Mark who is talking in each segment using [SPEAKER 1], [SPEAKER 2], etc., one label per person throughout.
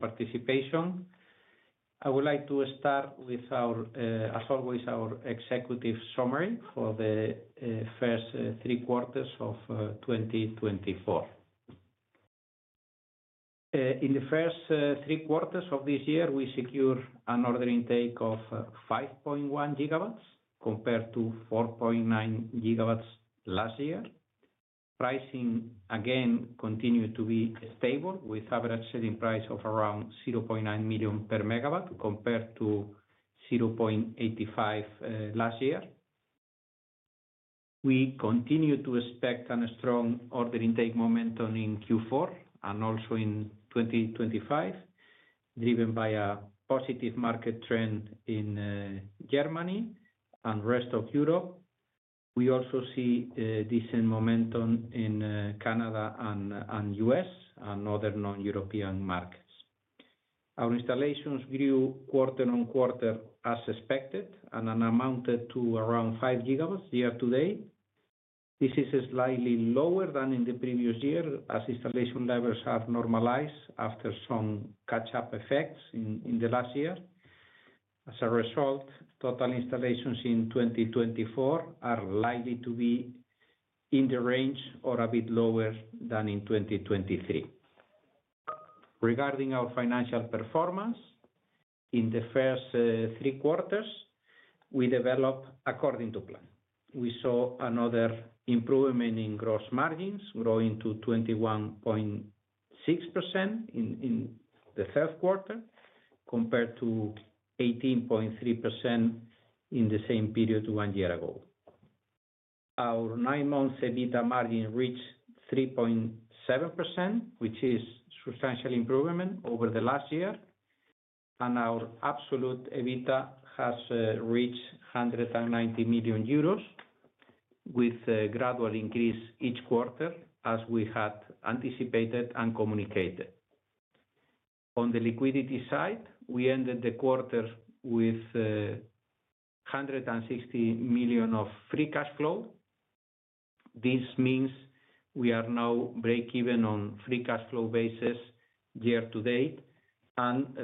[SPEAKER 1] Participation. I would like to start with, as always, our executive summary for the first three quarters of 2024. In the first three quarters of this year, we secured an order intake of 5.1 GW, compared to 4.9 GW last year. Pricing, again, continued to be stable, with an average selling price of around 0.9 million per megawatt, compared to 0.85 million last year. We continue to expect a strong order intake momentum in Q4 and also in 2025, driven by a positive market trend in Germany and the rest of Europe. We also see decent momentum in Canada and the U.S. and other non-European markets. Our installations grew quarter-on-quarter as expected and amounted to around 5 GW year-to-date. This is slightly lower than in the previous year, as installation levels have normalized after some catch-up effects in the last year. As a result, total installations in 2024 are likely to be in the range or a bit lower than in 2023. Regarding our financial performance, in the first three quarters, we developed according to plan. We saw another improvement in gross margins, growing to 21.6% in the third quarter, compared to 18.3% in the same period one year ago. Our nine-month EBITDA margin reached 3.7%, which is a substantial improvement over the last year, and our absolute EBITDA has reached 190 million euros, with a gradual increase each quarter, as we had anticipated and communicated. On the liquidity side, we ended the quarter with 160 million of free cash flow. This means we are now break-even on free cash flow basis year-to-date and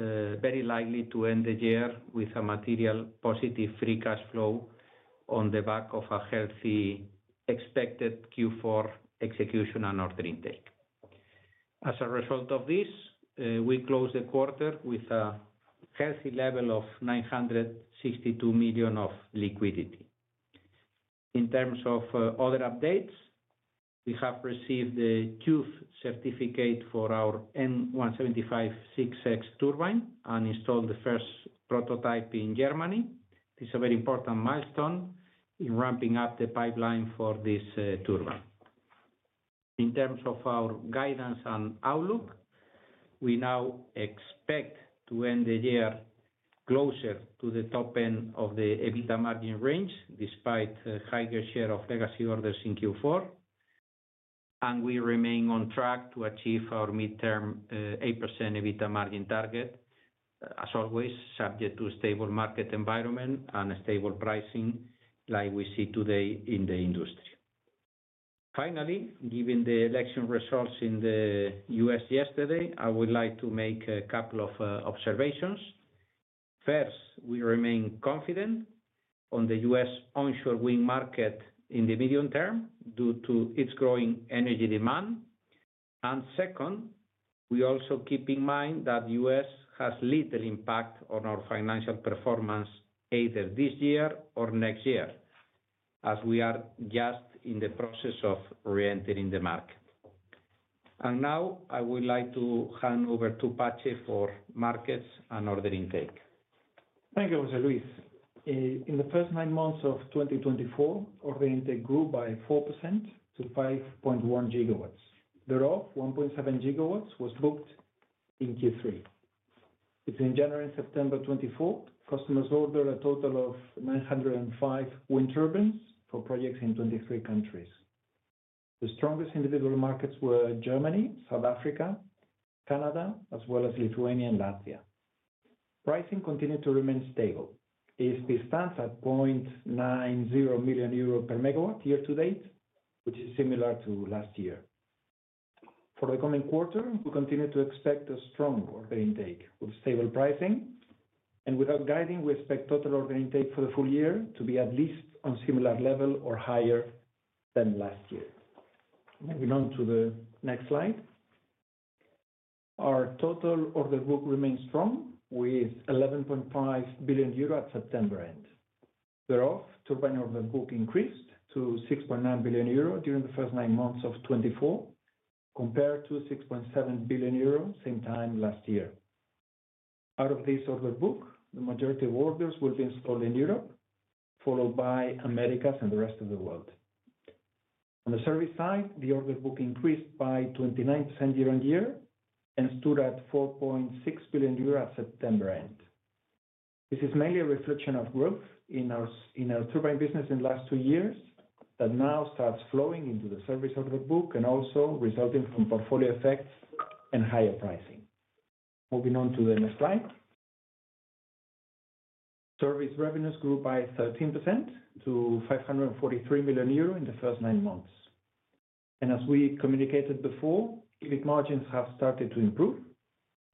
[SPEAKER 1] very likely to end the year with a material positive free cash flow on the back of a healthy expected Q4 execution and order intake. As a result of this, we closed the quarter with a healthy level of 962 million of liquidity. In terms of other updates, we have received the TÜV certificate for our N175/6.X turbine and installed the first prototype in Germany. This is a very important milestone in ramping up the pipeline for this turbine. In terms of our guidance and outlook, we now expect to end the year closer to the top end of the EBITDA margin range, despite a higher share of legacy orders in Q4, and we remain on track to achieve our midterm 8% EBITDA margin target, as always, subject to a stable market environment and stable pricing like we see today in the industry. Finally, given the election results in the U.S. yesterday, I would like to make a couple of observations. First, we remain confident on the U.S. onshore wind market in the medium term due to its growing energy demand. And second, we also keep in mind that the U.S. has little impact on our financial performance either this year or next year, as we are just in the process of re-entering the market. And now I would like to hand over to Patxi for markets and order intake.
[SPEAKER 2] Thank you, José Luis. In the first nine months of 2024, order intake grew by 4% to 5.1 GW. Thereof, 1.7 GW was booked in Q3. Between January and September 2024, customers ordered a total of 905 wind turbines for projects in 23 countries. The strongest individual markets were Germany, South Africa, Canada, as well as Lithuania and Latvia. Pricing continued to remain stable. ASP stands at 0.90 million euro per megawatt year-to-date, which is similar to last year. For the coming quarter, we continue to expect a strong order intake with stable pricing. Without guiding, we expect total order intake for the full year to be at least on a similar level or higher than last year. Moving on to the next slide. Our total order book remains strong, with 11.5 billion euro at September end. Thereof, turbine order book increased to 6.9 billion euro during the first nine months of 2024, compared to 6.7 billion euro same time last year. Out of this order book, the majority of orders will be installed in Europe, followed by Americas and the rest of the world. On the service side, the order book increased by 29% year-on-year and stood at 4.6 billion euros at September end. This is mainly a reflection of growth in our turbine business in the last two years that now starts flowing into the service order book and also resulting from portfolio effects and higher pricing. Moving on to the next slide. Service revenues grew by 13% to 543 million euro in the first nine months. And as we communicated before, EBIT margins have started to improve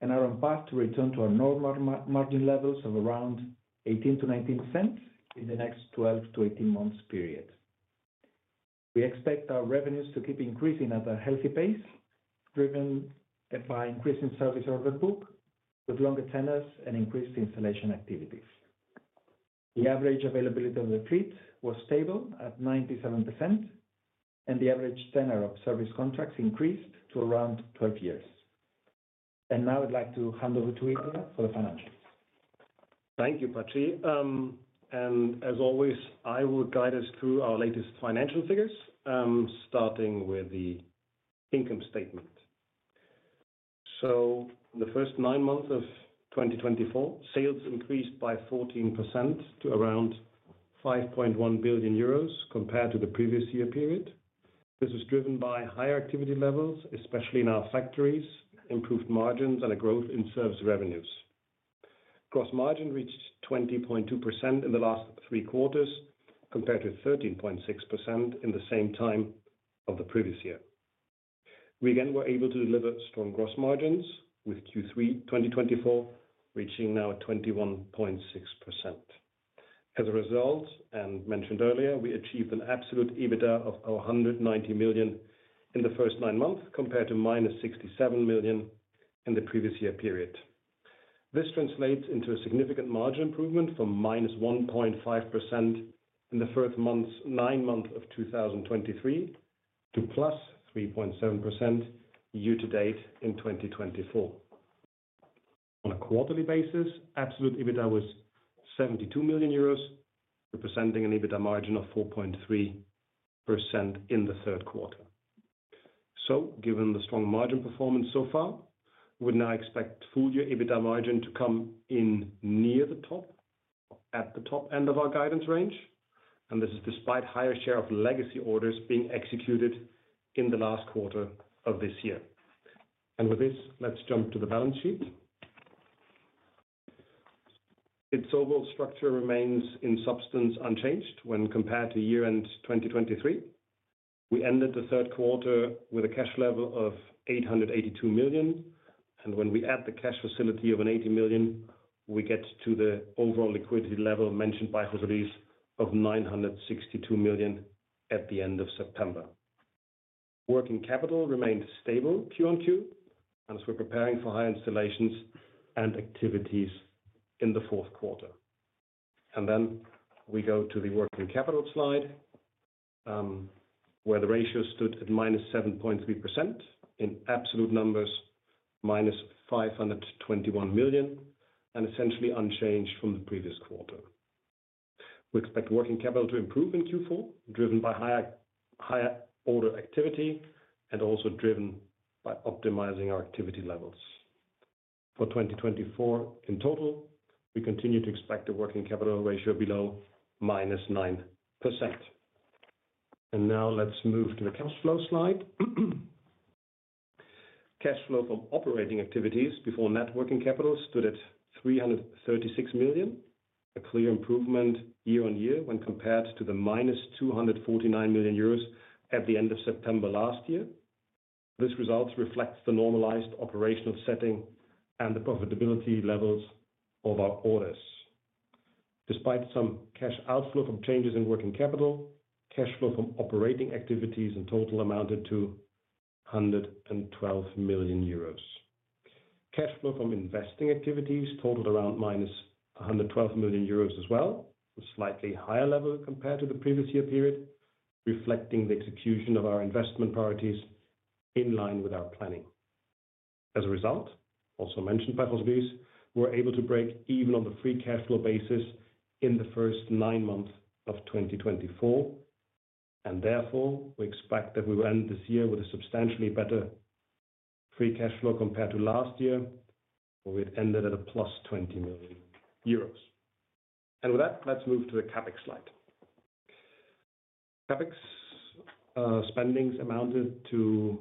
[SPEAKER 2] and are on path to return to our normal margin levels of around 18%-19% in the next 12 to 18 months period. We expect our revenues to keep increasing at a healthy pace, driven by increasing service order book with longer tenors and increased installation activities. The average availability of the fleet was stable at 97%, and the average tenor of service contracts increased to around 12 years. And now I'd like to hand over to Ilya for the financials.
[SPEAKER 3] Thank you, Patxi. And as always, I will guide us through our latest financial figures, starting with the income statement. So in the first nine months of 2024, sales increased by 14% to around 5.1 billion euros compared to the previous year period. This was driven by higher activity levels, especially in our factories, improved margins, and a growth in service revenues. Gross margin reached 20.2% in the last three quarters, compared to 13.6% in the same time of the previous year. We again were able to deliver strong gross margins with Q3 2024 reaching now 21.6%. As a result, and mentioned earlier, we achieved an absolute EBITDA of 190 million in the first nine months, compared to -67 million in the previous year period. This translates into a significant margin improvement from -1.5% in the first nine months of 2023 to +3.7% year-to-date in 2024. On a quarterly basis, absolute EBITDA was 72 million euros, representing an EBITDA margin of 4.3% in the third quarter. So given the strong margin performance so far, we would now expect full-year EBITDA margin to come in near the top, at the top end of our guidance range. And with this, let's jump to the balance sheet. Its overall structure remains in substance unchanged when compared to year-end 2023. We ended the third quarter with a cash level of 882 million. When we add the cash facility of 80 million, we get to the overall liquidity level mentioned by José Luis of 962 million at the end of September. Working capital remained stable Q on Q, as we're preparing for higher installations and activities in the fourth quarter. Then we go to the working capital slide, where the ratio stood at -7.3% in absolute numbers, -521 million, and essentially unchanged from the previous quarter. We expect working capital to improve in Q4, driven by higher order activity and also driven by optimizing our activity levels. For 2024, in total, we continue to expect a working capital ratio below -9%. Now let's move to the cash flow slide. Cash flow from operating activities before net working capital stood at 336 million, a clear improvement year-on-year when compared to the -249 million euros at the end of September last year. This result reflects the normalized operational setting and the profitability levels of our orders. Despite some cash outflow from changes in working capital, cash flow from operating activities in total amounted to 112 million euros. Cash flow from investing activities totaled around -112 million euros as well, a slightly higher level compared to the previous year period, reflecting the execution of our investment priorities in line with our planning. As a result, also mentioned by José Luis, we were able to break even on the free cash flow basis in the first nine months of 2024. And therefore, we expect that we will end this year with a substantially better free cash flow compared to last year, where we had ended at a +20 million euros. And with that, let's move to the CapEx slide. CapEx spendings amounted to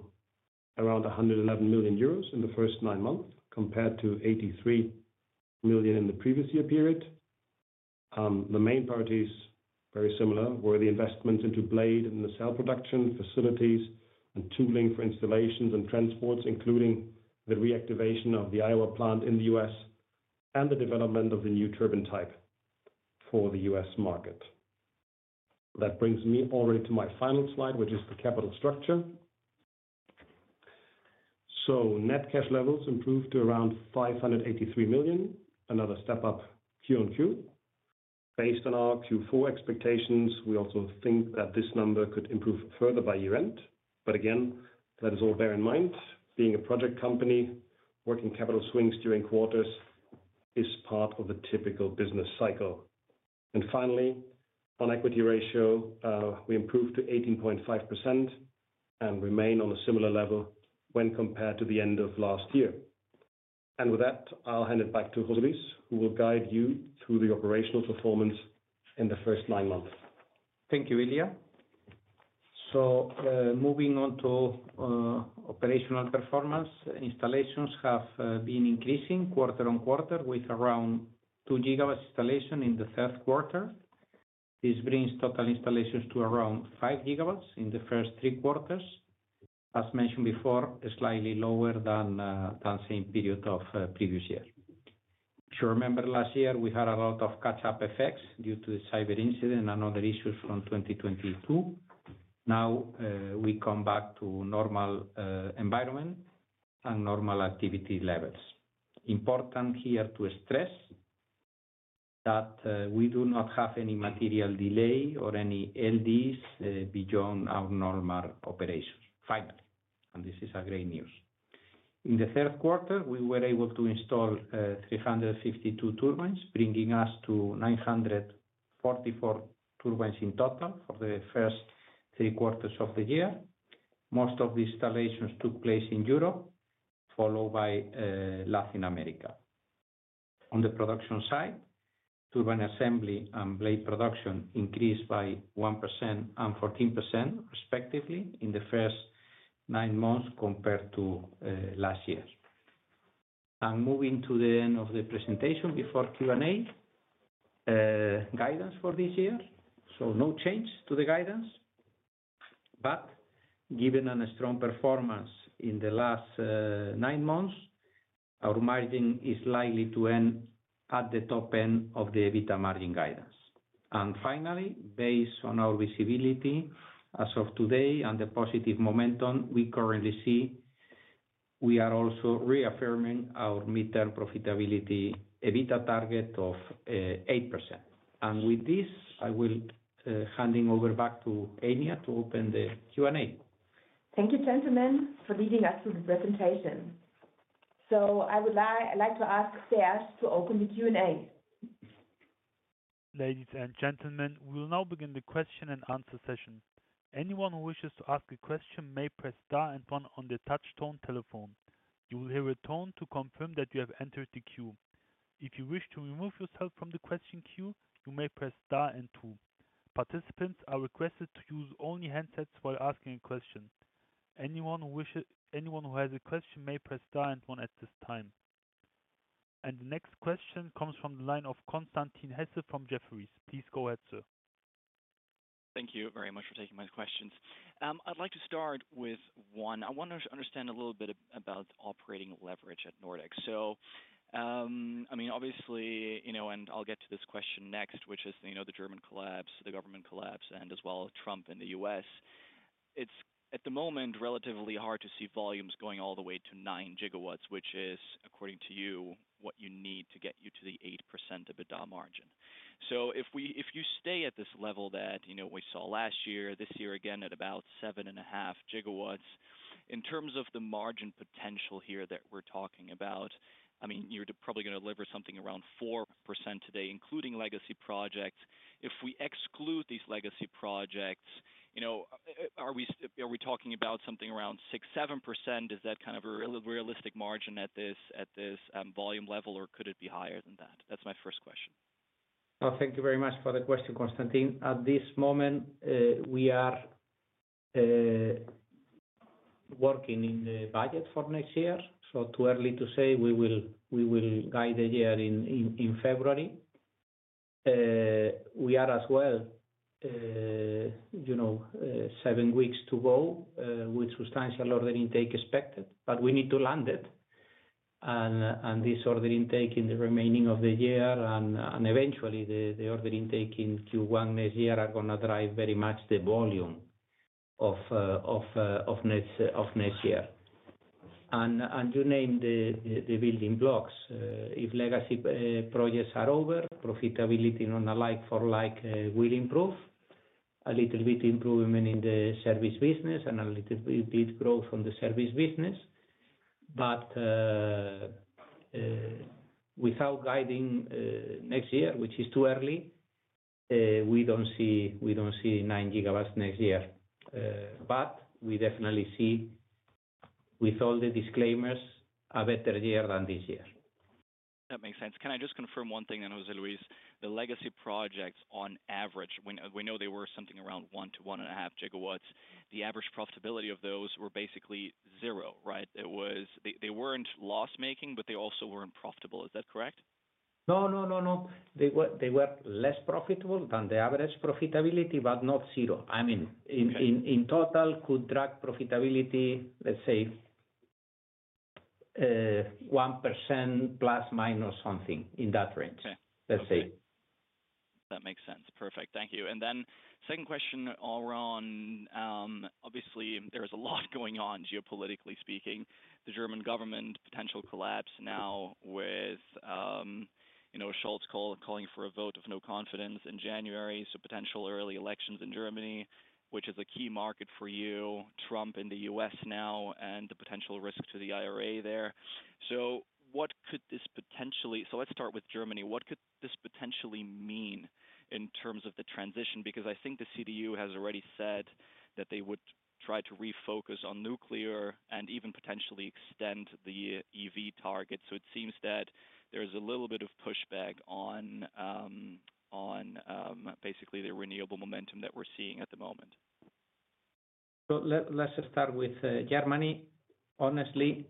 [SPEAKER 3] around 111 million euros in the first nine months, compared to 83 million in the previous year period. The main priorities, very similar, were the investments into blade and nacelle production, facilities, and tooling for installations and transports, including the reactivation of the Iowa plant in the U.S. and the development of the new turbine type for the U.S. market. That brings me already to my final slide, which is the capital structure. So net cash levels improved to around 583 million, another step up Q on Q. Based on our Q4 expectations, we also think that this number could improve further by year-end. But again, that is all to bear in mind. Being a project company, working capital swings during quarters is part of the typical business cycle. And finally, on equity ratio, we improved to 18.5% and remain on a similar level when compared to the end of last year. And with that, I'll hand it back to José Luis, who will guide you through the operational performance in the first nine months.
[SPEAKER 1] Thank you, Ilya, so moving on to operational performance, installations have been increasing quarter-on-quarter with around two gigawatts installation in the third quarter. This brings total installations to around five gigawatts in the first three quarters. As mentioned before, slightly lower than the same period of previous year. If you remember last year, we had a lot of catch-up effects due to the cyber incident and other issues from 2022. Now we come back to normal environment and normal activity levels. Important here to stress that we do not have any material delay or any LDs beyond our normal operations. Finally, and this is great news: In the third quarter, we were able to install 352 turbines, bringing us to 944 turbines in total for the first three quarters of the year. Most of the installations took place in Europe, followed by Latin America. On the production side, turbine assembly and blade production increased by 1% and 14% respectively in the first nine months compared to last year. And moving to the end of the presentation before Q&A, guidance for this year. So no change to the guidance. But given a strong performance in the last nine months, our margin is likely to end at the top end of the EBITDA margin guidance. And finally, based on our visibility as of today and the positive momentum we currently see, we are also reaffirming our midterm profitability EBITDA target of 8%. And with this, I will hand over back to Anja to open the Q&A.
[SPEAKER 4] Thank you, gentlemen, for leading us through the presentation. So I would like to ask Serge to open the Q&A.
[SPEAKER 5] Ladies and gentlemen, we will now begin the question and answer session. Anyone who wishes to ask a question may press star and one on the touch-tone telephone. You will hear a tone to confirm that you have entered the queue. If you wish to remove yourself from the question queue, you may press star and two. Participants are requested to use only handsets while asking a question. Anyone who has a question may press star and one at this time. And the next question comes from the line of Constantin Hesse from Jefferies. Please go ahead, sir.
[SPEAKER 6] Thank you very much for taking my questions. I'd like to start with one. I want to understand a little bit about operating leverage at Nordex. So, I mean, obviously, and I'll get to this question next, which is the German collapse, the government collapse, and as well as Trump in the U.S. It's at the moment relatively hard to see volumes going all the way to nine gigawatts, which is, according to you, what you need to get you to the 8% EBITDA margin. So if you stay at this level that we saw last year, this year again at about 7.5 gigawatts, in terms of the margin potential here that we're talking about, I mean, you're probably going to deliver something around 4% today, including legacy projects. If we exclude these legacy projects, are we talking about something around 6%, 7%? Is that kind of a realistic margin at this volume level, or could it be higher than that? That's my first question.
[SPEAKER 1] Thank you very much for the question, Constantin. At this moment, we are working in the budget for next year. So too early to say, we will guide the year in February. We are as well seven weeks to go with substantial order intake expected, but we need to land it. And this order intake in the remaining of the year and eventually the order intake in Q1 next year are going to drive very much the volume of next year. And you named the building blocks. If legacy projects are over, profitability on a like-for-like will improve. A little bit of improvement in the service business and a little bit of growth on the service business. But without guiding next year, which is too early, we don't see nine gigawatts next year. But we definitely see, with all the disclaimers, a better year than this year.
[SPEAKER 6] That makes sense. Can I just confirm one thing then, José Luis? The legacy projects, on average, we know they were something around 1-1.5 GW. The average profitability of those were basically zero, right? They weren't loss-making, but they also weren't profitable. Is that correct?
[SPEAKER 1] No, no, no, no. They were less profitable than the average profitability, but not zero. I mean, in total, could drag profitability, let's say, 1% plus minus something in that range.
[SPEAKER 6] Okay.
[SPEAKER 1] Let's say.
[SPEAKER 6] That makes sense. Perfect. Thank you. And then second question around, obviously, there is a lot going on, geopolitically speaking. The German government potential collapse now with Scholz calling for a vote of no confidence in January. So potential early elections in Germany, which is a key market for you. Trump in the U.S. now and the potential risk to the IRA there. So what could this potentially so let's start with Germany. What could this potentially mean in terms of the transition? Because I think the CDU has already said that they would try to refocus on nuclear and even potentially extend the EV target. So it seems that there is a little bit of pushback on basically the renewable momentum that we're seeing at the moment.
[SPEAKER 1] So let's start with Germany. Honestly,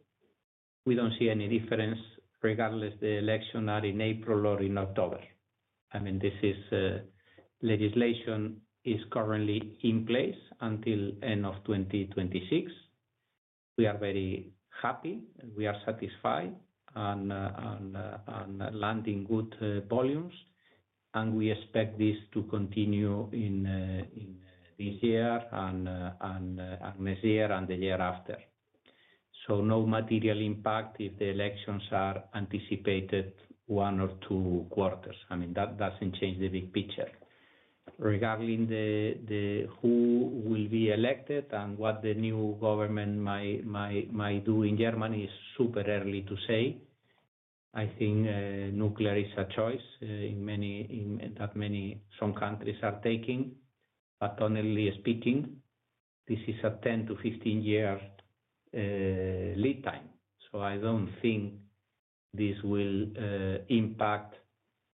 [SPEAKER 1] we don't see any difference regardless of the election that in April or in October. I mean, this legislation is currently in place until the end of 2026. We are very happy. We are satisfied and landing good volumes. And we expect this to continue in this year and next year and the year after. So no material impact if the elections are anticipated one or two quarters. I mean, that doesn't change the big picture. Regarding who will be elected and what the new government might do in Germany, it's super early to say. I think nuclear is a choice that many strong countries are taking. But honestly speaking, this is a 10-15-year lead time. I don't think this will impact,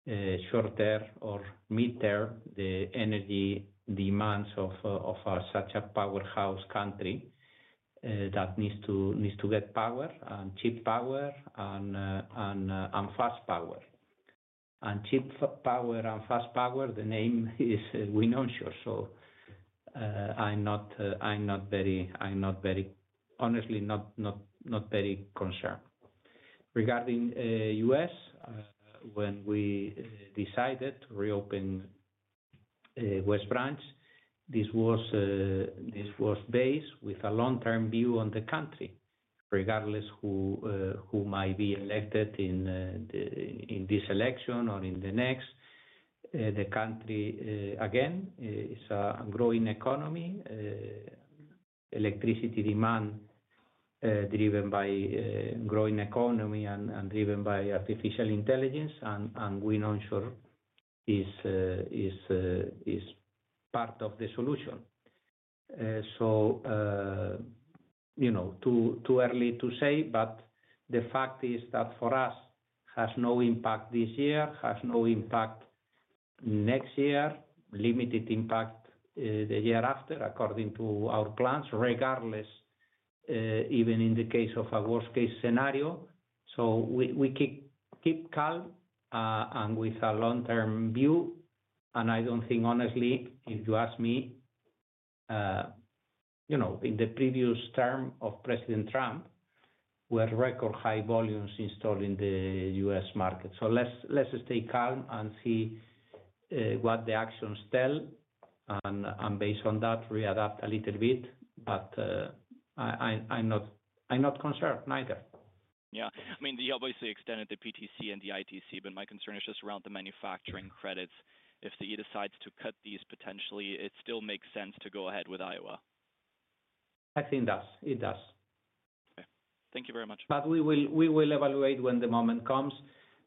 [SPEAKER 1] short-term or mid-term, the energy demands of such a powerhouse country that needs to get power and cheap power and fast power. And cheap power and fast power, namely, we're not sure, so I'm not very, honestly, not very concerned. Regarding the U.S., when we decided to reopen West Branch, this was based with a long-term view on the country. Regardless of who might be elected in this election or in the next, the country again is a growing economy. Electricity demand, driven by a growing economy and driven by artificial intelligence, and we're not sure it's part of the solution, so too early to say, but the fact is that for us, it has no impact this year, has no impact next year, limited impact the year after according to our plans, regardless even in the case of a worst-case scenario. So we keep calm and with a long-term view. And I don't think, honestly, if you ask me, in the previous term of President Trump, we had record-high volumes installed in the U.S. market. So let's stay calm and see what the actions tell. And based on that, readapt a little bit. But I'm not concerned, neither.
[SPEAKER 6] Yeah. I mean, you obviously extended the PTC and the ITC, but my concern is just around the manufacturing credits. If the administration decides to cut these potentially, it still makes sense to go ahead with Iowa.
[SPEAKER 1] I think it does. It does.
[SPEAKER 6] Okay. Thank you very much.
[SPEAKER 1] But we will evaluate when the moment comes.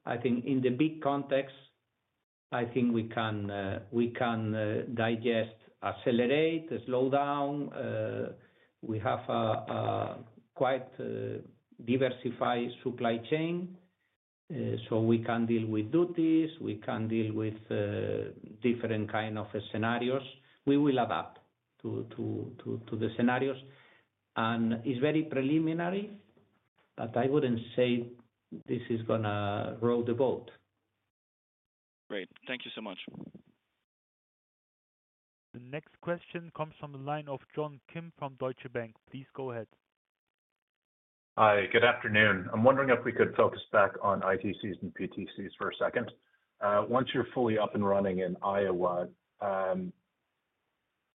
[SPEAKER 1] I think in the big context, I think we can digest, accelerate, slow down. We have a quite diversified supply chain. So we can deal with duties. We can deal with different kinds of scenarios. We will adapt to the scenarios, and it's very preliminary, but I wouldn't say this is going to rock the boat.
[SPEAKER 6] Great. Thank you so much.
[SPEAKER 5] The next question comes from the line of John Kim from Deutsche Bank. Please go ahead.
[SPEAKER 7] Hi. Good afternoon. I'm wondering if we could focus back on ITCs and PTCs for a second. Once you're fully up and running in Iowa,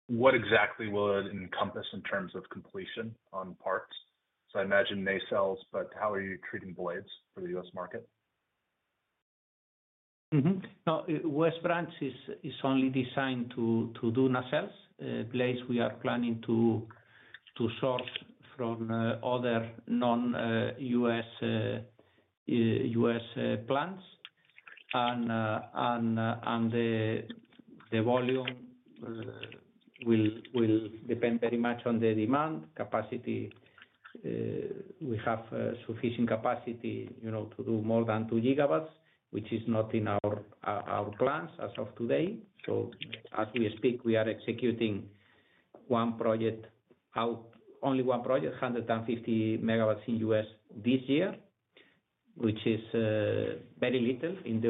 [SPEAKER 7] what exactly will it encompass in terms of completion on parts? So I imagine nacelles, but how are you treating blades for the U.S. market?
[SPEAKER 1] Now, West Branch is only designed to do nacelles. Blades, we are planning to source from other non-U.S. plants. And the volume will depend very much on the demand capacity. We have sufficient capacity to do more than two gigawatts, which is not in our plans as of today. So as we speak, we are executing one project out, only one project, 150 MW in U.S. this year, which is very little in the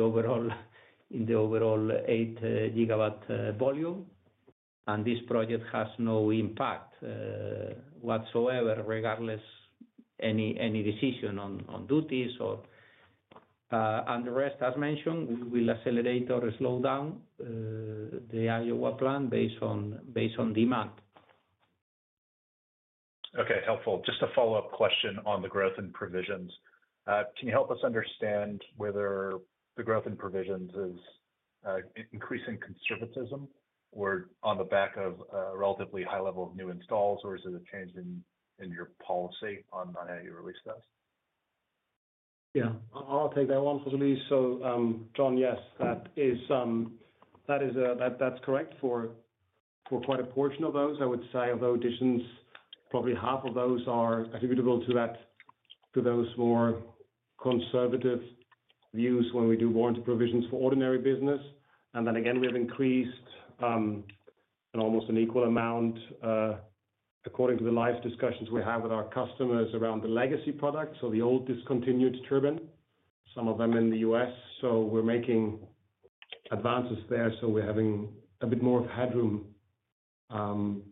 [SPEAKER 1] overall eight-gigawatt volume. And this project has no impact whatsoever, regardless of any decision on duties or. And the rest, as mentioned, we will accelerate or slow down the Iowa plant based on demand.
[SPEAKER 7] Okay. Helpful. Just a follow-up question on the growth in provisions. Can you help us understand whether the growth in provisions is increasing conservatism or on the back of a relatively high level of new installs, or is it a change in your policy on how you release those?
[SPEAKER 3] Yeah. I'll take that one, José Luis. So John, yes, that is correct for quite a portion of those, I would say, although additions, probably half of those are attributable to those more conservative views when we do warranty provisions for ordinary business. And then again, we have increased in almost an equal amount according to the live discussions we have with our customers around the legacy products. So the old discontinued turbine, some of them in the U.S. So we're making advances there. So we're having a bit more headroom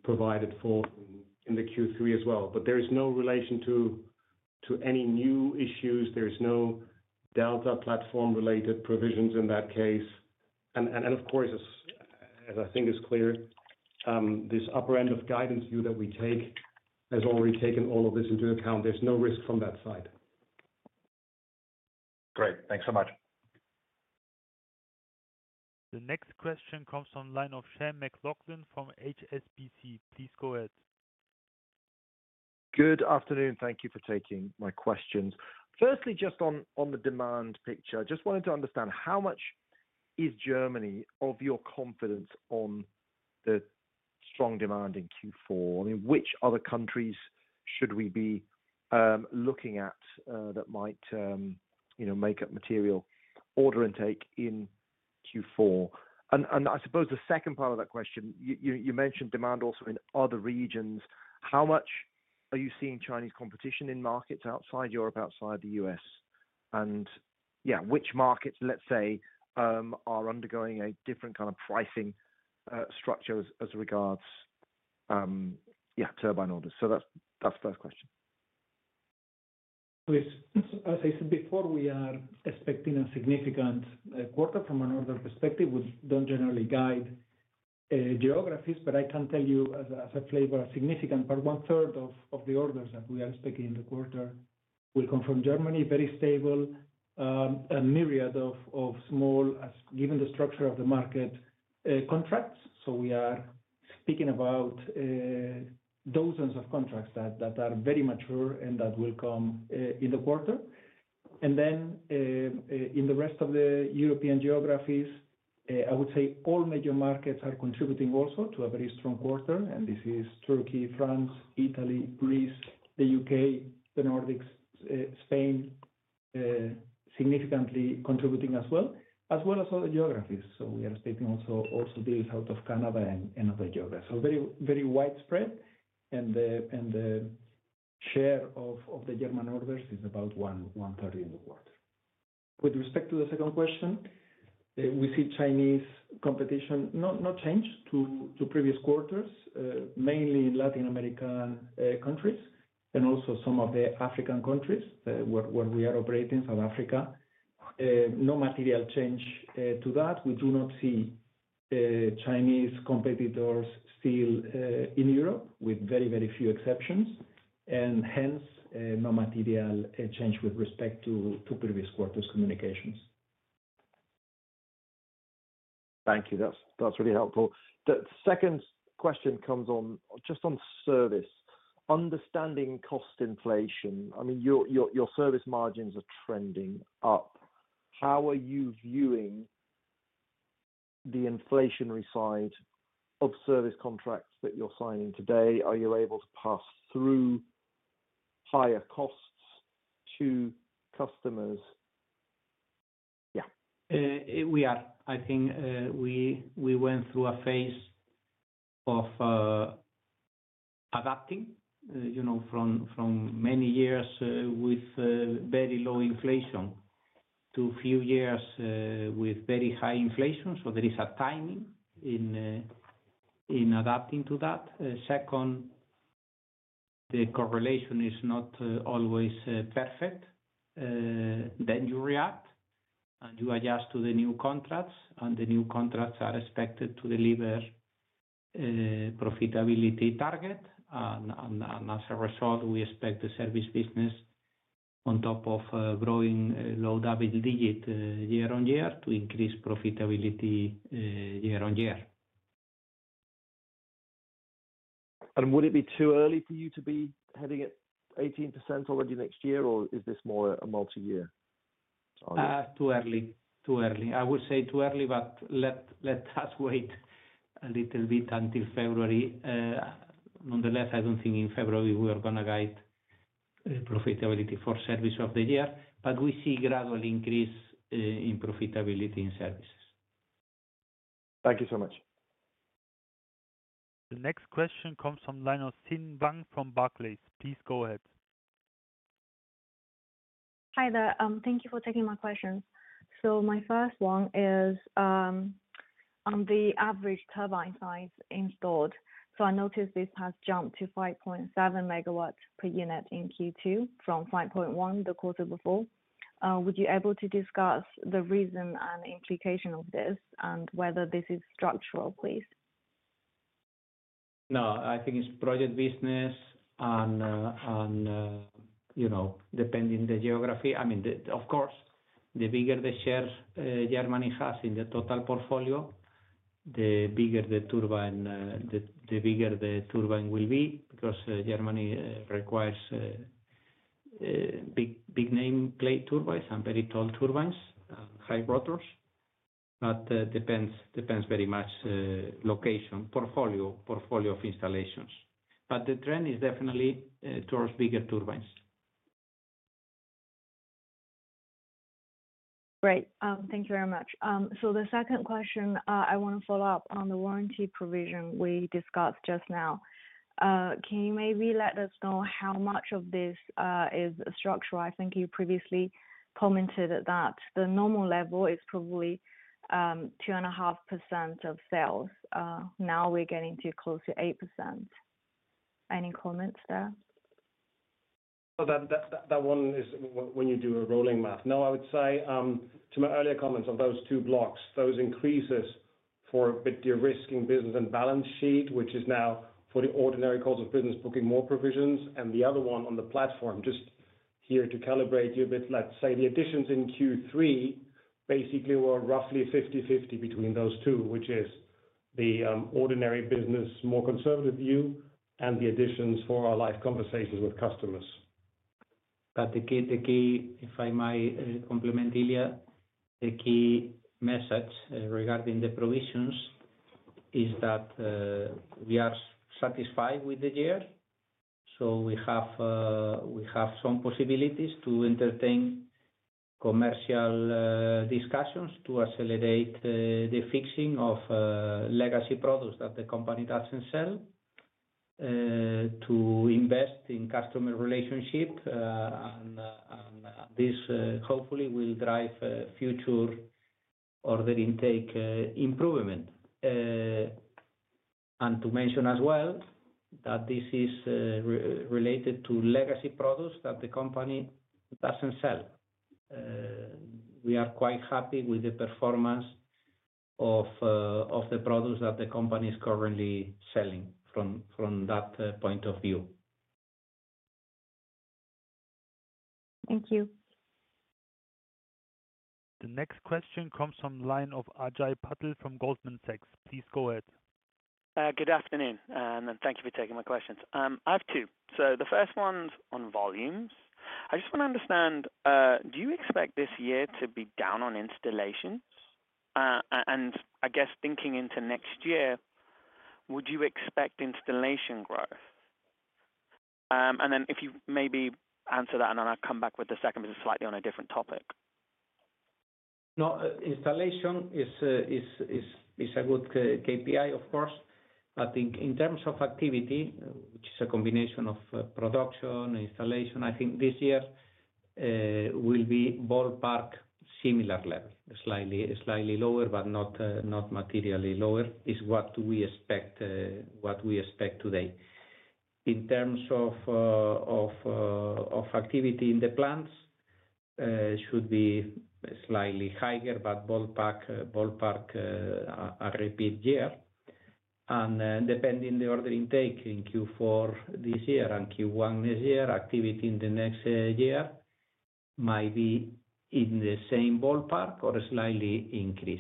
[SPEAKER 3] provided for in the Q3 as well. But there is no relation to any new issues. There is no Delta platform-related provisions in that case. And of course, as I think is clear, this upper end of guidance view that we take has already taken all of this into account. There's no risk from that side.
[SPEAKER 7] Great. Thanks so much.
[SPEAKER 5] The next question comes from the line of Sean McLoughlin from HSBC. Please go ahead.
[SPEAKER 8] Good afternoon. Thank you for taking my questions. Firstly, just on the demand picture, I just wanted to understand how much is Germany of your confidence on the strong demand in Q4? I mean, which other countries should we be looking at that might make up material order intake in Q4? And I suppose the second part of that question, you mentioned demand also in other regions. How much are you seeing Chinese competition in markets outside Europe, outside the U.S.? And yeah, which markets, let's say, are undergoing a different kind of pricing structure as regards, yeah, turbine orders? So that's the first question.
[SPEAKER 2] As I said before, we are expecting a significant quarter from an order perspective. We don't generally guide geographies, but I can tell you as a flavor of significant part, one-third of the orders that we are expecting in the quarter will come from Germany. Very stable. A myriad of small, given the structure of the market, contracts. So we are speaking about dozens of contracts that are very mature and that will come in the quarter. Then in the rest of the European geographies, I would say all major markets are contributing also to a very strong quarter. This is Turkey, France, Italy, Greece, the U.K., the Nordics, Spain, significantly contributing as well, as well as other geographies. So we are expecting also deals out of Canada and other geographies. So very widespread. The share of the German orders is about one-third in the quarter. With respect to the second question, we see Chinese competition not changed to previous quarters, mainly in Latin American countries and also some of the African countries where we are operating in South Africa. No material change to that. We do not see Chinese competitors still in Europe, with very, very few exceptions. Hence, no material change with respect to previous quarters' communications.
[SPEAKER 8] Thank you. That's really helpful. The second question comes just on service. Understanding cost inflation. I mean, your service margins are trending up. How are you viewing the inflationary side of service contracts that you're signing today? Are you able to pass through higher costs to customers? Yeah.
[SPEAKER 1] We are. I think we went through a phase of adapting from many years with very low inflation to a few years with very high inflation. So there is a timing in adapting to that. Second, the correlation is not always perfect. Then you react and you adjust to the new contracts. And the new contracts are expected to deliver profitability target. And as a result, we expect the service business on top of growing low double-digit year-on-year to increase profitability year-on-year.
[SPEAKER 8] Would it be too early for you to be heading at 18% already next year, or is this more a multi-year?
[SPEAKER 1] Too early. Too early. I would say too early, but let us wait a little bit until February. Nonetheless, I don't think in February we are going to guide profitability for service of the year. But we see a gradual increase in profitability in services.
[SPEAKER 8] Thank you so much.
[SPEAKER 5] The next question comes from the line of Xin Wang from Barclays. Please go ahead.
[SPEAKER 9] Hi there. Thank you for taking my questions. So my first one is on the average turbine size installed. So I noticed this has jumped to 5.7 MW per unit in Q2 from 5.1 the quarter before. Would you be able to discuss the reason and implication of this and whether this is structural, please?
[SPEAKER 1] No. I think it's project business and depending on the geography. I mean, of course, the bigger the share Germany has in the total portfolio, the bigger the turbine will be because Germany requires big nameplate turbines and very tall turbines, high rotors. But it depends very much on location, portfolio of installations. But the trend is definitely towards bigger turbines.
[SPEAKER 9] Great. Thank you very much. So the second question, I want to follow up on the warranty provision we discussed just now. Can you maybe let us know how much of this is structural? I think you previously commented that the normal level is probably 2.5% of sales. Now we're getting to close to 8%. Any comments there?
[SPEAKER 3] So that one is when you do a rolling math. No, I would say to my earlier comments on those two blocks, those increases for a bit de-risking business and balance sheet, which is now for the ordinary course of business booking more provisions. And the other one on the platform, just here to calibrate you a bit. Let's say the additions in Q3 basically were roughly 50/50 between those two, which is the ordinary business more conservative view and the additions for our live conversations with customers.
[SPEAKER 1] But the key, if I may complement Ilya, the key message regarding the provisions is that we are satisfied with the year. So we have some possibilities to entertain commercial discussions to accelerate the fixing of legacy products that the company doesn't sell, to invest in customer relationship. And this hopefully will drive future order intake improvement. And to mention as well that this is related to legacy products that the company doesn't sell. We are quite happy with the performance of the products that the company is currently selling from that point of view.
[SPEAKER 9] Thank you.
[SPEAKER 5] The next question comes from the line of Ajay Patel from Goldman Sachs. Please go ahead.
[SPEAKER 10] Good afternoon. And thank you for taking my questions. I have two. So the first one's on volumes. I just want to understand, do you expect this year to be down on installations? And I guess thinking into next year, would you expect installation growth? And then if you maybe answer that, and then I'll come back with the second, but it's slightly on a different topic.
[SPEAKER 1] No. Installation is a good KPI, of course. I think in terms of activity, which is a combination of production and installation, I think this year will be ballpark similar level, slightly lower, but not materially lower is what we expect today. In terms of activity in the plants, it should be slightly higher, but ballpark a repeat year. And depending on the order intake in Q4 this year and Q1 next year, activity in the next year might be in the same ballpark or slightly increase.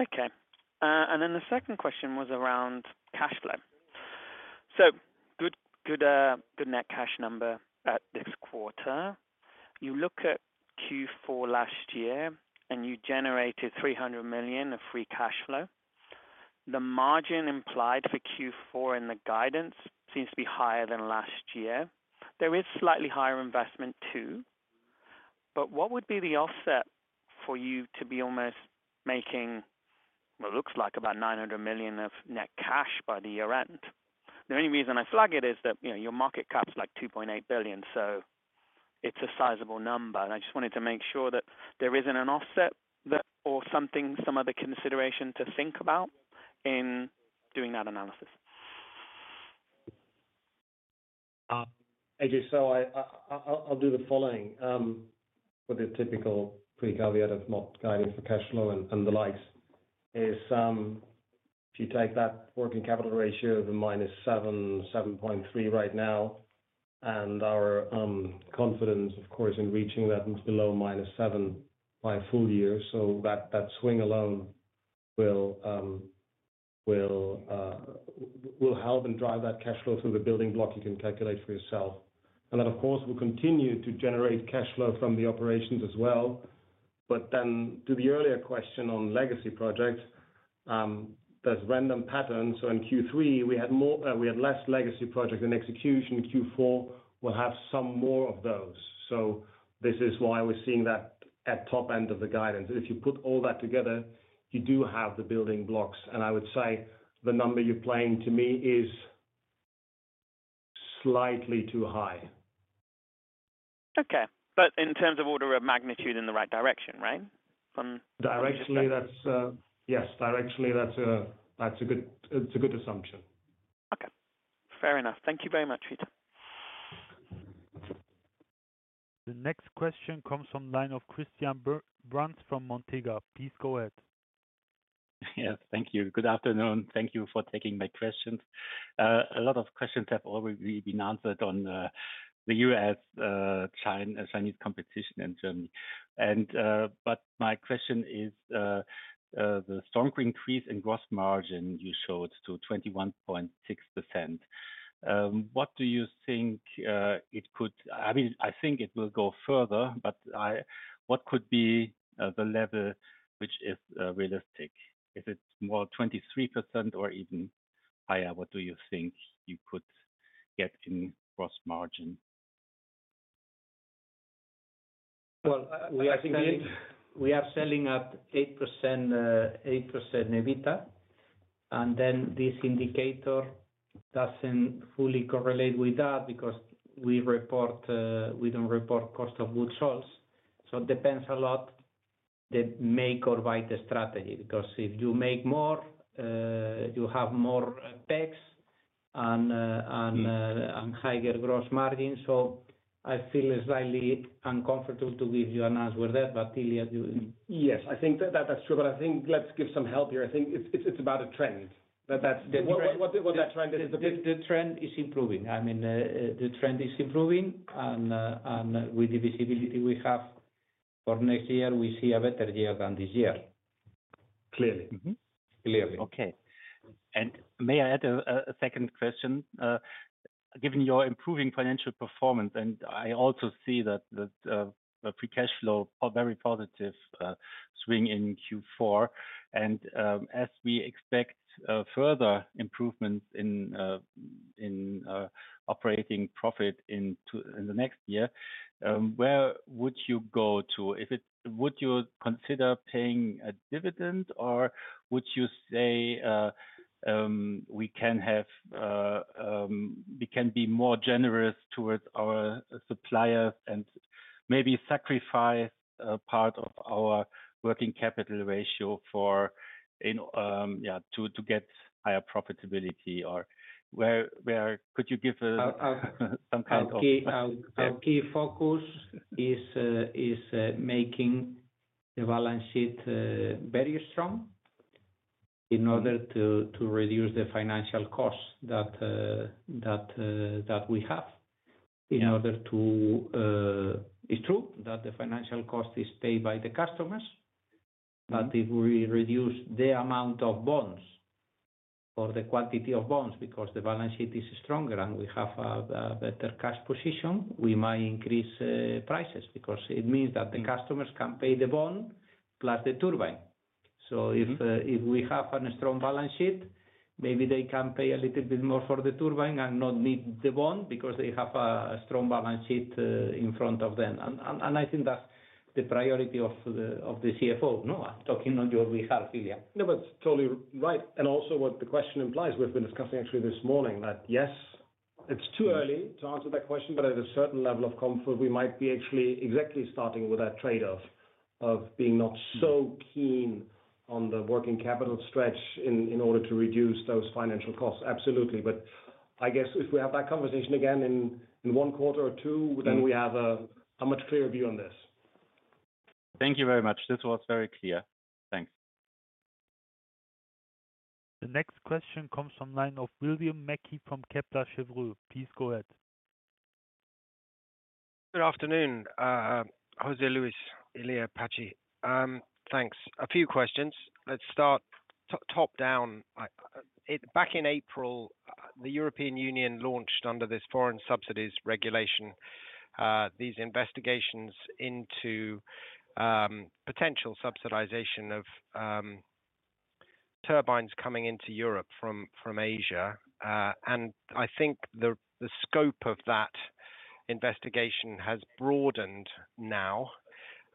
[SPEAKER 10] Okay. And then the second question was around cash flow. So good net cash number at this quarter. You look at Q4 last year, and you generated 300 million of free cash flow. The margin implied for Q4 in the guidance seems to be higher than last year. There is slightly higher investment too. But what would be the offset for you to be almost making, well, it looks like about 900 million of net cash by the year end? The only reason I flag it is that your market cap's like 2.8 billion. So it's a sizable number. And I just wanted to make sure that there isn't an offset or some other consideration to think about in doing that analysis.
[SPEAKER 2] Okay. So I'll do the following with the typical pre-caveat of not guiding for cash flow and the likes. If you take that working capital ratio of a -7.3 right now, and our confidence, of course, in reaching that is below -7 by a full year. So that swing alone will help and drive that cash flow through the building block you can calculate for yourself. And then, of course, we'll continue to generate cash flow from the operations as well. But then to the earlier question on legacy projects, there's random patterns. So in Q3, we had less legacy projects in execution. Q4 will have some more of those. So this is why we're seeing that at top end of the guidance. If you put all that together, you do have the building blocks. I would say the number you're playing to me is slightly too high.
[SPEAKER 10] Okay. But in terms of order of magnitude in the right direction, right?
[SPEAKER 2] Directionally, yes. Directionally, that's a good assumption.
[SPEAKER 10] Okay. Fair enough. Thank you very much, Patxi.
[SPEAKER 5] The next question comes from the line of Christian Bruns from Montega. Please go ahead.
[SPEAKER 11] Yes. Thank you. Good afternoon. Thank you for taking my questions. A lot of questions have already been answered on the U.S., Chinese competition, and Germany. But my question is the stronger increase in gross margin you showed to 21.6%. What do you think it could, I mean, I think it will go further, but what could be the level which is realistic? Is it more 23% or even higher? What do you think you could get in gross margin?
[SPEAKER 1] I think we are selling at 8% EBITDA. This indicator doesn't fully correlate with that because we don't report cost of goods sold. It depends a lot on the make or buy strategy because if you make more, you have more CapEx and higher gross margin. I feel slightly uncomfortable to give you an answer with that, but Ilya, you—
[SPEAKER 3] Yes. I think that that's true. But I think let's give some help here. I think it's about a trend. What that trend is, the big-
[SPEAKER 1] The trend is improving. I mean, the trend is improving, and with the visibility we have for next year, we see a better year than this year.
[SPEAKER 2] Clearly.
[SPEAKER 1] Clearly.
[SPEAKER 11] Okay. And may I add a second question? Given your improving financial performance, and I also see that the free cash flow, very positive swing in Q4. And as we expect further improvements in operating profit in the next year, where would you go to? Would you consider paying a dividend, or would you say we can be more generous towards our suppliers and maybe sacrifice part of our working capital ratio to get higher profitability? Or where could you give some kind of...
[SPEAKER 1] Our key focus is making the balance sheet very strong in order to reduce the financial costs that we have in order to. It's true that the financial cost is paid by the customers. But if we reduce the amount of bonds or the quantity of bonds because the balance sheet is stronger and we have a better cash position, we might increase prices because it means that the customers can pay the bond plus the turbine. So if we have a strong balance sheet, maybe they can pay a little bit more for the turbine and not need the bond because they have a strong balance sheet in front of them. And I think that's the priority of the CFO. No, I'm talking on your behalf, Ilya.
[SPEAKER 3] No, that's totally right. And also what the question implies, we've been discussing actually this morning that yes, it's too early to answer that question, but at a certain level of comfort, we might be actually exactly starting with that trade-off of being not so keen on the working capital stretch in order to reduce those financial costs. Absolutely. But I guess if we have that conversation again in one quarter or two, then we have a much clearer view on this.
[SPEAKER 11] Thank you very much. This was very clear. Thanks.
[SPEAKER 5] The next question comes from the line of William Mackie from Kepler Cheuvreux. Please go ahead.
[SPEAKER 12] Good afternoon, José Luis, Ilya, Patxi. Thanks. A few questions. Let's start top down. Back in April, the European Union launched under this Foreign Subsidies Regulation these investigations into potential subsidization of turbines coming into Europe from Asia. And I think the scope of that investigation has broadened now.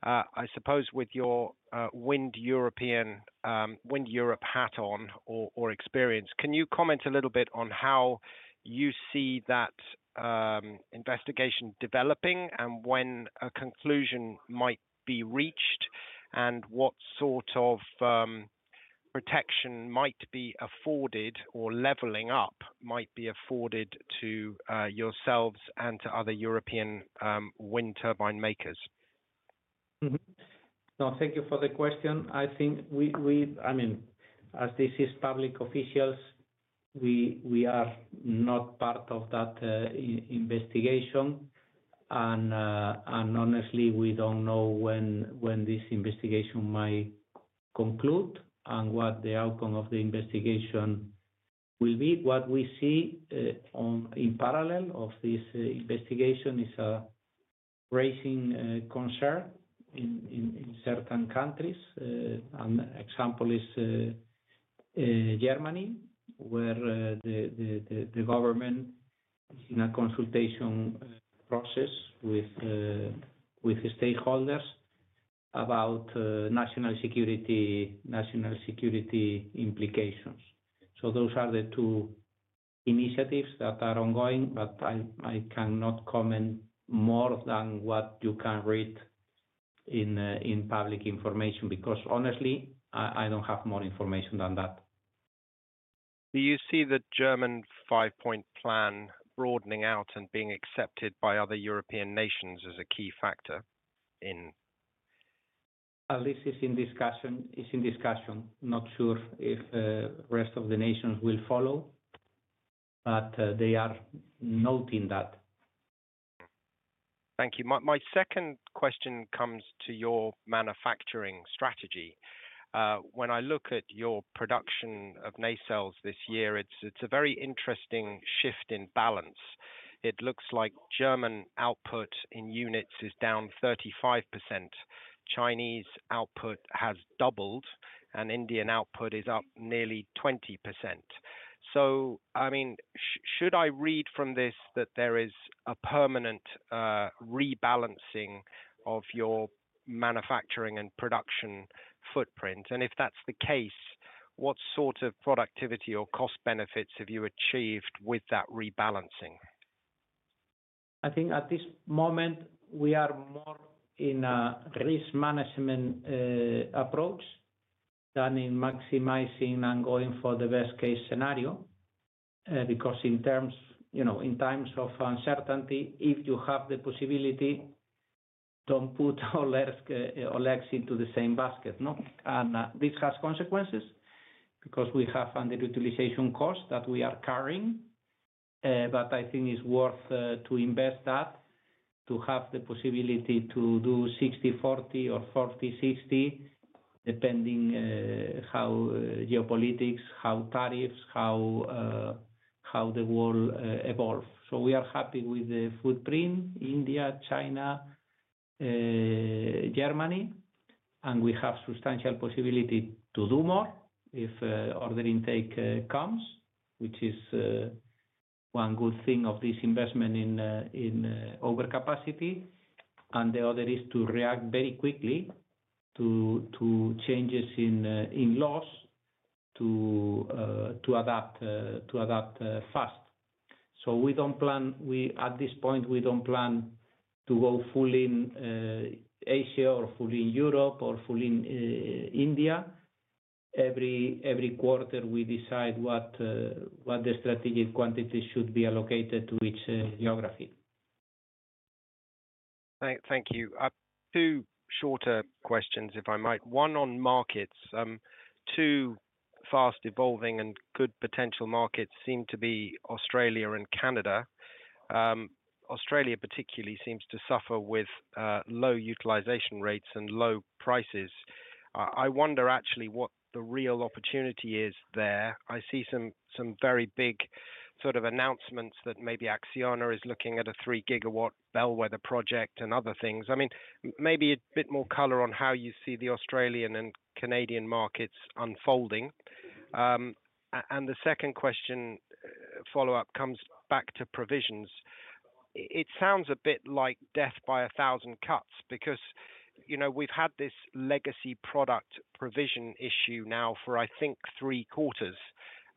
[SPEAKER 12] I suppose with your WindEurope hat on or experience, can you comment a little bit on how you see that investigation developing and when a conclusion might be reached and what sort of protection might be afforded or leveling up might be afforded to yourselves and to other European wind turbine makers?
[SPEAKER 1] No, thank you for the question. I think, I mean, as this is public information, we are not part of that investigation. And honestly, we don't know when this investigation might conclude and what the outcome of the investigation will be. What we see in parallel of this investigation is a rising concern in certain countries. An example is Germany, where the government is in a consultation process with stakeholders about national security implications, so those are the two initiatives that are ongoing, but I cannot comment more than what you can read in public information because honestly, I don't have more information than that.
[SPEAKER 12] Do you see the German five-point plan broadening out and being accepted by other European nations as a key factor in?
[SPEAKER 1] This is in discussion. It's in discussion. Not sure if the rest of the nations will follow, but they are noting that.
[SPEAKER 12] Thank you. My second question comes to your manufacturing strategy. When I look at your production of nacelles this year, it's a very interesting shift in balance. It looks like German output in units is down 35%. Chinese output has doubled, and Indian output is up nearly 20%. So I mean, should I read from this that there is a permanent rebalancing of your manufacturing and production footprint? And if that's the case, what sort of productivity or cost benefits have you achieved with that rebalancing?
[SPEAKER 1] I think at this moment, we are more in a risk management approach than in maximizing and going for the best-case scenario because in times of uncertainty, if you have the possibility, don't put all eggs into the same basket, and this has consequences because we have underutilization costs that we are carrying, but I think it's worth to invest that to have the possibility to do 60/40 or 40/60, depending on how geopolitics, how tariffs, how the world evolves, so we are happy with the footprint, India, China, Germany, and we have substantial possibility to do more if order intake comes, which is one good thing of this investment in overcapacity, and the other is to react very quickly to changes in laws to adapt fast, so at this point, we don't plan to go full in Asia or full in Europe or full in India. Every quarter, we decide what the strategic quantities should be allocated to each geography.
[SPEAKER 12] Thank you. Two shorter questions, if I might. One on markets. Two fast-evolving and good potential markets seem to be Australia and Canada. Australia, particularly, seems to suffer with low utilization rates and low prices. I wonder actually what the real opportunity is there. I see some very big sort of announcements that maybe Acciona is looking at a three-gigawatt bellwether project and other things. I mean, maybe a bit more color on how you see the Australian and Canadian markets unfolding. And the second question follow-up comes back to provisions. It sounds a bit like death by a thousand cuts because we've had this legacy product provision issue now for, I think, three quarters.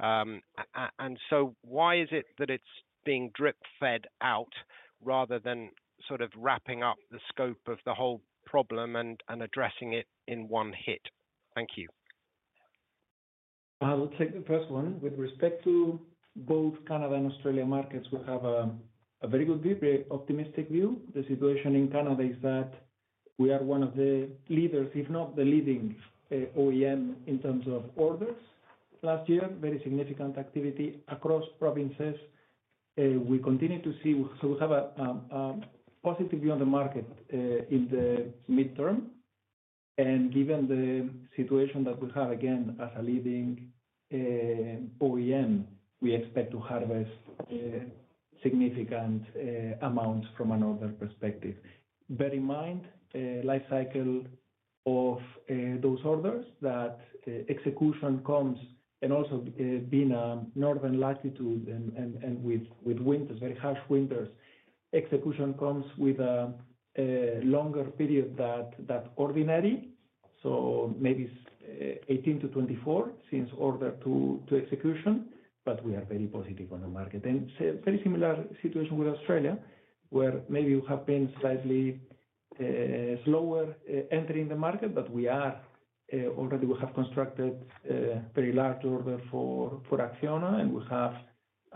[SPEAKER 12] And so why is it that it's being drip-fed out rather than sort of wrapping up the scope of the whole problem and addressing it in one hit? Thank you.
[SPEAKER 2] I will take the first one. With respect to both Canada and Australia markets, we have a very good, very optimistic view. The situation in Canada is that we are one of the leaders, if not the leading OEM in terms of orders last year. Very significant activity across provinces. We continue to see, so we have a positive view on the market in the midterm, and given the situation that we have, again, as a leading OEM, we expect to harvest significant amounts from an order perspective. Bear in mind, life cycle of those orders that execution comes and also being a northern latitude and with winters, very harsh winters, execution comes with a longer period than ordinary, so maybe 18 to 24 since order to execution, but we are very positive on the market. Very similar situation with Australia, where maybe we have been slightly slower entering the market, but we have already constructed a very large order for Acciona. We have,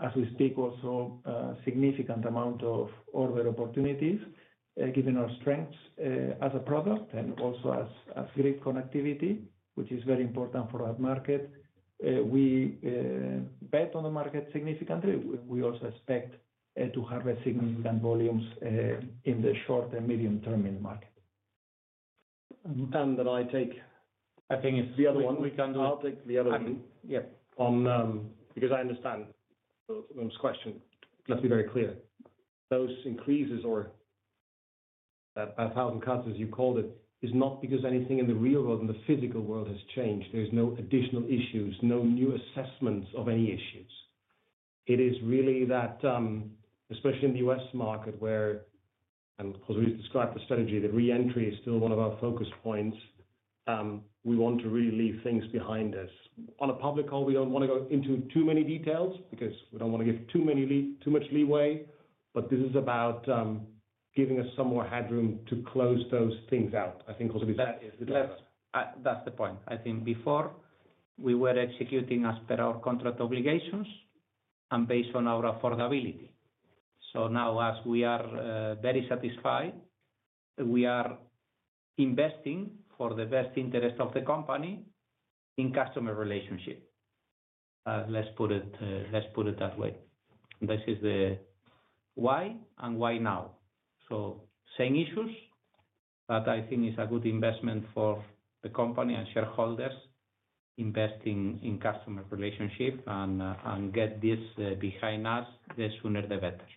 [SPEAKER 2] as we speak, also a significant amount of order opportunities given our strengths as a product and also as grid connectivity, which is very important for that market. We bet on the market significantly. We also expect to harvest significant volumes in the short and medium-term in the market.
[SPEAKER 3] Then I take the other one.
[SPEAKER 2] The other one we can do.
[SPEAKER 3] I'll take the other one because I understand those questions. Let's be very clear. Those increases or that 1,000 cuts, as you called it, is not because anything in the real world, in the physical world, has changed. There's no additional issues, no new assessments of any issues. It is really that, especially in the US market, where José Luís described the strategy, the re-entry is still one of our focus points. We want to really leave things behind us. On a public call, we don't want to go into too many details because we don't want to give too much leeway. But this is about giving us some more headroom to close those things out. I think José Luís said that.
[SPEAKER 1] That's the point. I think before we were executing as per our contract obligations and based on our affordability. So now, as we are very satisfied, we are investing for the best interest of the company in customer relationship. Let's put it that way. This is the why and why now. So same issues, but I think it's a good investment for the company and shareholders investing in customer relationship and get this behind us the sooner the better.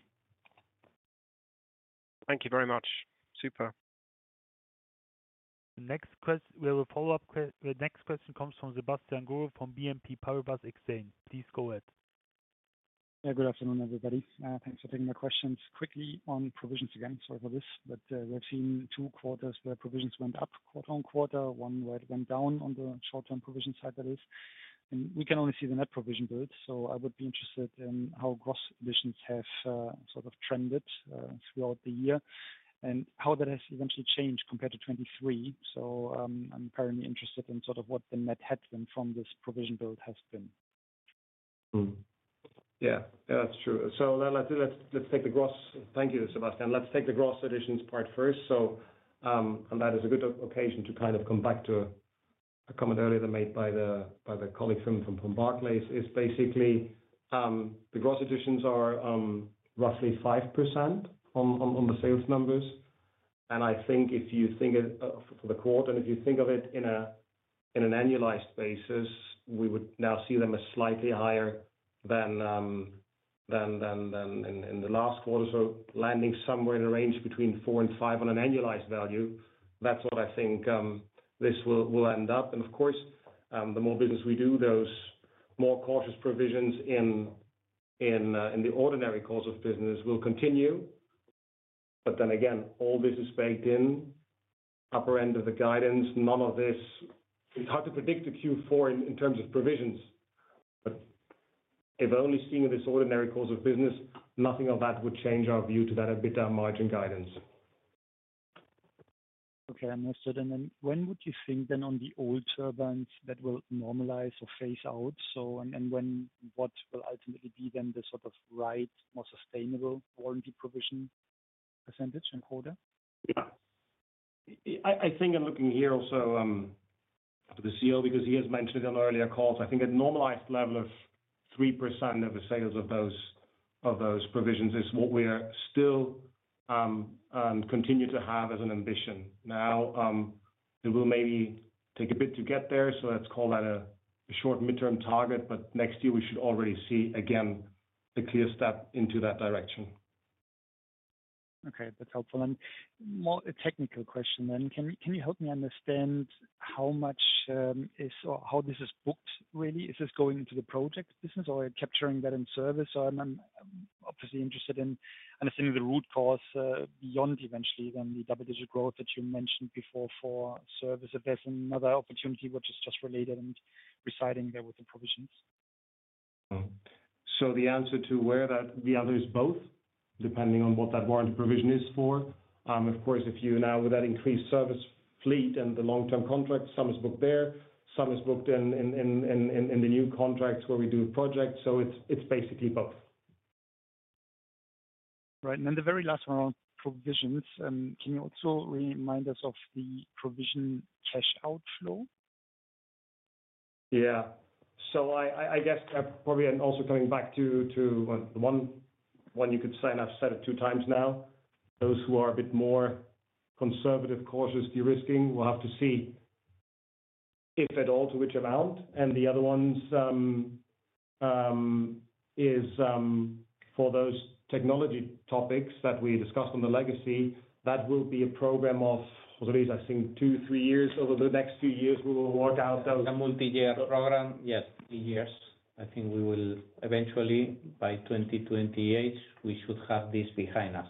[SPEAKER 12] Thank you very much. Super.
[SPEAKER 5] Next question, we have a follow-up question. The next question comes from Sebastian Growe from BNP Paribas Exane. Please go ahead.
[SPEAKER 13] Yeah, good afternoon, everybody. Thanks for taking my questions. Quickly on provisions again, sorry for this, but we've seen two quarters where provisions went up quarter-on-quarter, one where it went down on the short-term provision side, that is, and we can only see the net provision build. So I would be interested in how gross provisions have sort of trended throughout the year and how that has eventually changed compared to 2023, so I'm apparently interested in sort of what the net headwind from this provision build has been.
[SPEAKER 3] Yeah, yeah, that's true. So let's take the gross. Thank you, Sebastian. Let's take the gross additions part first. And that is a good occasion to kind of come back to a comment earlier that made by the colleague from Barclays. It's basically the gross additions are roughly 5% on the sales numbers. And I think if you think for the quarter, and if you think of it in an annualized basis, we would now see them as slightly higher than in the last quarter. So landing somewhere in a range between 4% and 5% on an annualized value, that's what I think this will end up. And of course, the more business we do, those more cautious provisions in the ordinary course of business will continue. But then again, all this is baked in upper end of the guidance. None of this is hard to predict the Q4 in terms of provisions. But if only seeing this ordinary course of business, nothing of that would change our view to that EBITDA margin guidance.
[SPEAKER 13] Okay, I understood. And then when would you think then on the old turbines that will normalize or phase out? So and what will ultimately be then the sort of right, more sustainable warranty provision percentage and quota?
[SPEAKER 3] Yeah. I think I'm looking here also for the CEO because he has mentioned it on earlier calls. I think a normalized level of 3% of the sales of those provisions is what we still continue to have as an ambition. Now, it will maybe take a bit to get there. So let's call that a short midterm target. But next year, we should already see again a clear step into that direction.
[SPEAKER 13] Okay, that's helpful. And more a technical question than. Can you help me understand how much is or how this is booked, really? Is this going into the project business or capturing that in service? So I'm obviously interested in understanding the root cause beyond eventually then the double-digit growth that you mentioned before for service. If there's another opportunity, which is just related and residing there with the provisions.
[SPEAKER 3] So the answer to that is both, depending on what that warranty provision is for. Of course, now with that increased service fleet and the long-term contract, some is booked there, some is booked in the new contracts where we do projects. So it's basically both.
[SPEAKER 13] Right. And then the very last one on provisions, can you also remind us of the provision cash outflow?
[SPEAKER 3] Yeah. So I guess probably also coming back to the one you could sign. I've said it two times now. Those who are a bit more conservative, cautious, de-risking will have to see if at all to which amount. And the other one is for those technology topics that we discussed on the legacy. That will be a program of, José Luis, I think two, three years. Over the next few years, we will work out those.
[SPEAKER 1] A multi-year program, yes, three years. I think we will eventually by 2028, we should have this behind us.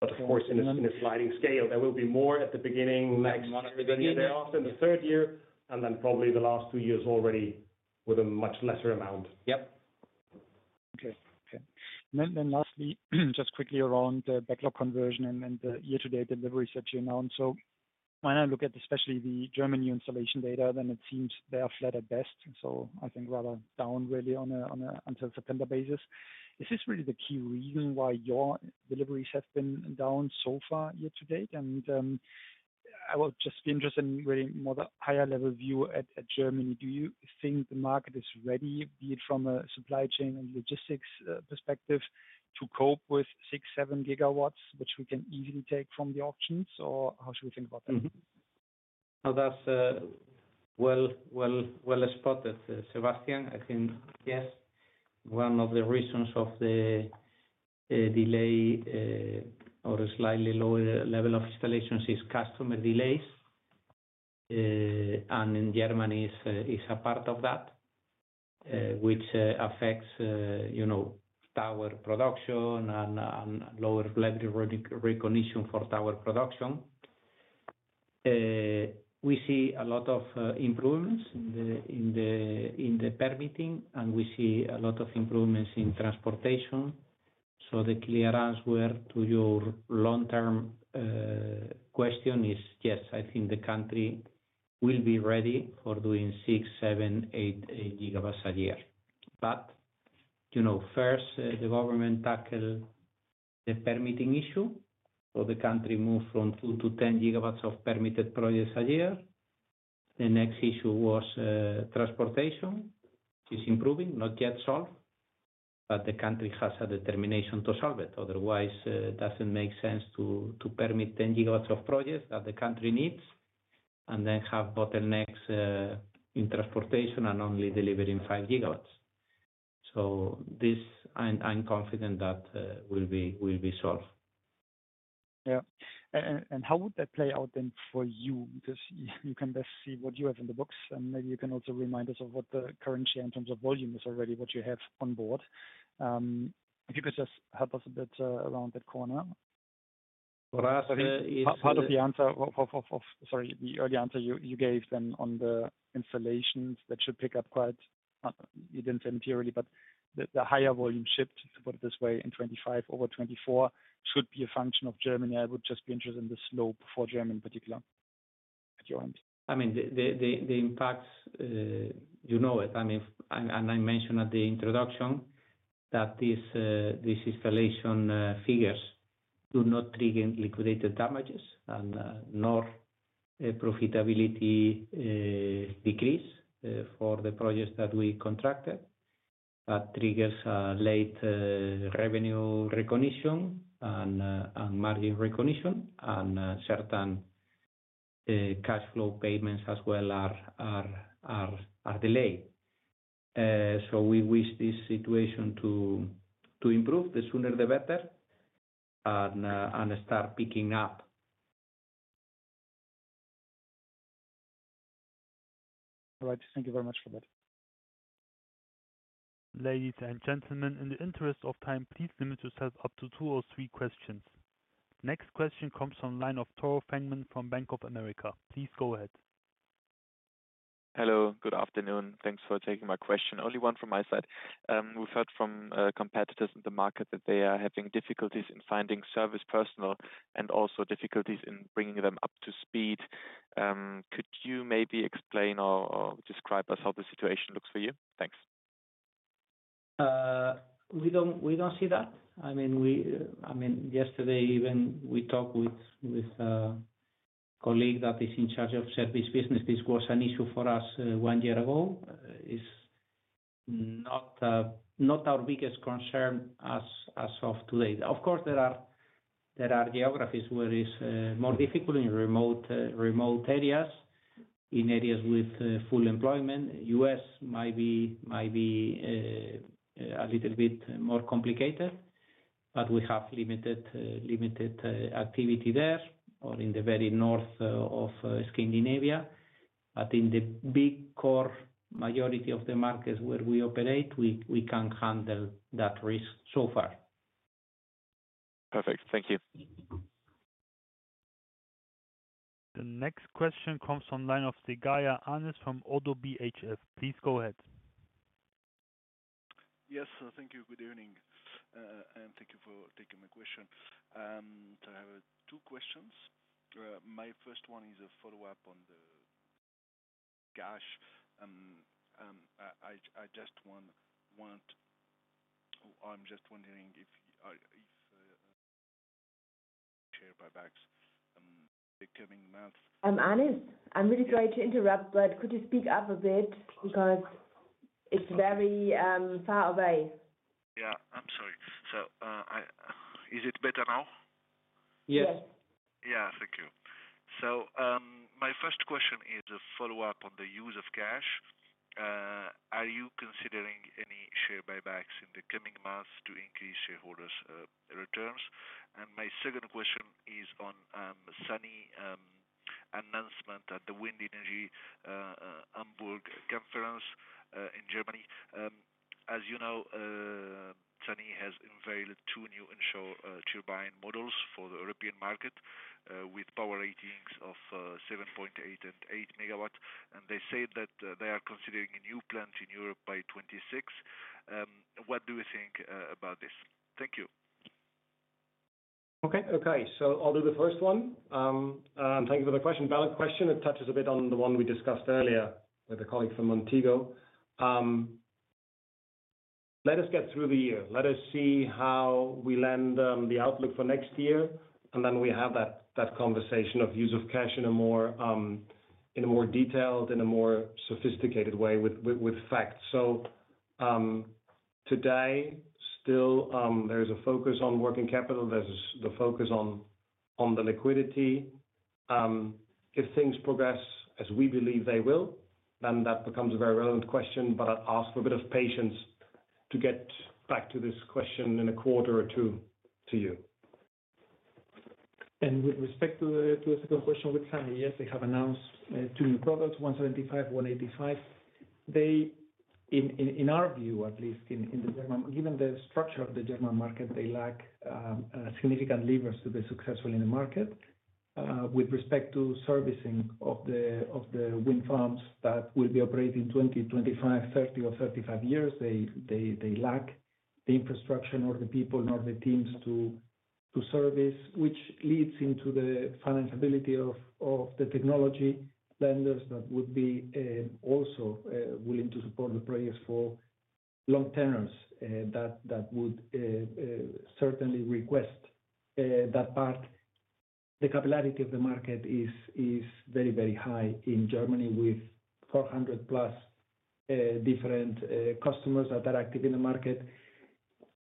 [SPEAKER 3] But of course, in a sliding scale, there will be more at the beginning, next year, then the third year, and then probably the last two years already with a much lesser amount.
[SPEAKER 1] Yep.
[SPEAKER 13] Okay, okay. And then lastly, just quickly around the backlog conversion and the year-to-date deliveries that you announced. So when I look at especially the German new installation data, then it seems they are flat at best. So I think rather down really on a year-to-date until September basis. Is this really the key reason why your deliveries have been down so far year-to-date? And I would just be interested in really more the higher-level view of Germany. Do you think the market is ready, be it from a supply chain and logistics perspective, to cope with six, seven gigawatts, which we can easily take from the auctions? Or how should we think about that?
[SPEAKER 1] No, that's well spotted, Sebastian. I think, yes, one of the reasons of the delay or slightly lower level of installations is customer delays, and in Germany, it's a part of that, which affects tower production and lower level recognition for tower production. We see a lot of improvements in the permitting, and we see a lot of improvements in transportation, so the clear answer to your long-term question is, yes, I think the country will be ready for doing six, seven, eight gigawatts a year, but first, the government tackled the permitting issue, so the country moved from two to 10 GW of permitted projects a year. The next issue was transportation, which is improving, not yet solved, but the country has a determination to solve it. Otherwise, it doesn't make sense to permit 10 GW of projects that the country needs and then have bottlenecks in transportation and only delivering five gigawatts. So I'm confident that will be solved.
[SPEAKER 13] Yeah. And how would that play out then for you? Because you can best see what you have in the box. And maybe you can also remind us of what the current share in terms of volume is already, what you have on board. If you could just help us a bit around that corner. Part of the answer of, sorry, the early answer you gave then on the installations that should pick up quite. You didn't say materially, but the higher volume shift, to put it this way, in 2025, over 2024, should be a function of Germany. I would just be interested in the slope for Germany in particular at your end.
[SPEAKER 1] I mean, the impacts, you know it. I mean, and I mentioned at the introduction that these escalation figures do not trigger liquidated damages and nor profitability decrease for the projects that we contracted. That triggers late revenue recognition and margin recognition, and certain cash flow payments as well are delayed. So we wish this situation to improve the sooner the better and start picking up.
[SPEAKER 13] All right. Thank you very much for that.
[SPEAKER 5] Ladies and gentlemen, in the interest of time, please limit yourselves up to two or three questions. Next question comes from line of Tore Fangmann from Bank of America. Please go ahead.
[SPEAKER 14] Hello, good afternoon. Thanks for taking my question. Only one from my side. We've heard from competitors in the market that they are having difficulties in finding service personnel and also difficulties in bringing them up to speed. Could you maybe explain or describe us how the situation looks for you? Thanks.
[SPEAKER 1] We don't see that. I mean, yesterday, when we talked with a colleague that is in charge of service business, this was an issue for us one year ago. It's not our biggest concern as of today. Of course, there are geographies where it's more difficult in remote areas, in areas with full employment. U.S. might be a little bit more complicated, but we have limited activity there or in the very north of Scandinavia. But in the big core majority of the markets where we operate, we can handle that risk so far.
[SPEAKER 14] Perfect. Thank you.
[SPEAKER 5] The next question comes from the line of Anis Zgaya from Oddo BHF. Please go ahead.
[SPEAKER 15] Yes, thank you. Good evening. Thank you for taking my question. I have two questions. My first one is a follow-up on the cash. I just want or I'm just wondering if share buybacks in the coming months.
[SPEAKER 4] I'm Anis. I'm really sorry to interrupt, but could you speak up a bit because it's very far away?
[SPEAKER 15] Yeah, I'm sorry. So is it better now?
[SPEAKER 5] Yes.
[SPEAKER 15] Yeah, thank you. So my first question is a follow-up on the use of cash. Are you considering any share buybacks in the coming months to increase shareholders' returns? And my second question is on Sany's announcement at the WindEnergy Hamburg conference in Germany. As you know, Sany has unveiled two new onshore turbine models for the European market with power ratings of 7.8 and 8 MW. And they say that they are considering a new plant in Europe by 2026. What do you think about this? Thank you.
[SPEAKER 3] Okay, okay. So I'll do the first one. And thank you for the question. Valid question. It touches a bit on the one we discussed earlier with a colleague from Montega. Let us get through the year. Let us see how we land the outlook for next year. And then we have that conversation of use of cash in a more detailed, in a more sophisticated way with facts. So today, still, there is a focus on working capital. There's the focus on the liquidity. If things progress as we believe they will, then that becomes a very relevant question. But I'll ask for a bit of patience to get back to this question in a quarter or two to you.
[SPEAKER 2] With respect to the second question with Sany, yes, they have announced two new products, 175, 185. In our view, at least in Germany, given the structure of the German market, they lack significant levers to be successful in the market. With respect to servicing of the wind farms that will be operating 20, 25, 30, or 35 years, they lack the infrastructure nor the people nor the teams to service, which leads into the financiability of the technology lenders that would be also willing to support the projects for long-terms that would certainly request that part. The capability of the market is very, very high in Germany with 400-plus different customers that are active in the market.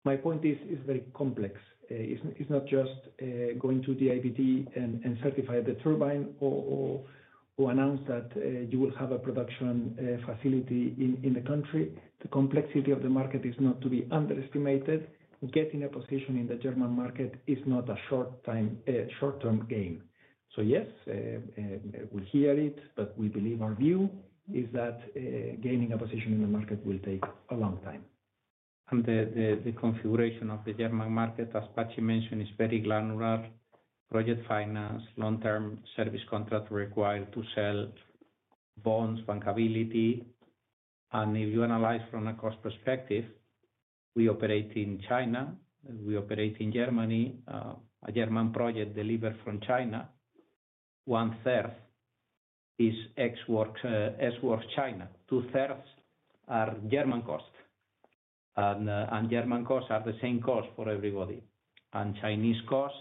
[SPEAKER 2] My point is it's very complex. It's not just going to the DIBt and certify the turbine or announce that you will have a production facility in the country. The complexity of the market is not to be underestimated. Getting a position in the German market is not a short-term gain. So yes, we hear it, but we believe our view is that gaining a position in the market will take a long time.
[SPEAKER 1] And the configuration of the German market, as Patxi mentioned, is very granular. Project finance, long-term service contract required to sell bonds, bankability. And if you analyze from a cost perspective, we operate in China. We operate in Germany. A German project delivered from China, one-third is Ex Works China. Two-thirds are German cost. And German costs are the same cost for everybody. And Chinese cost,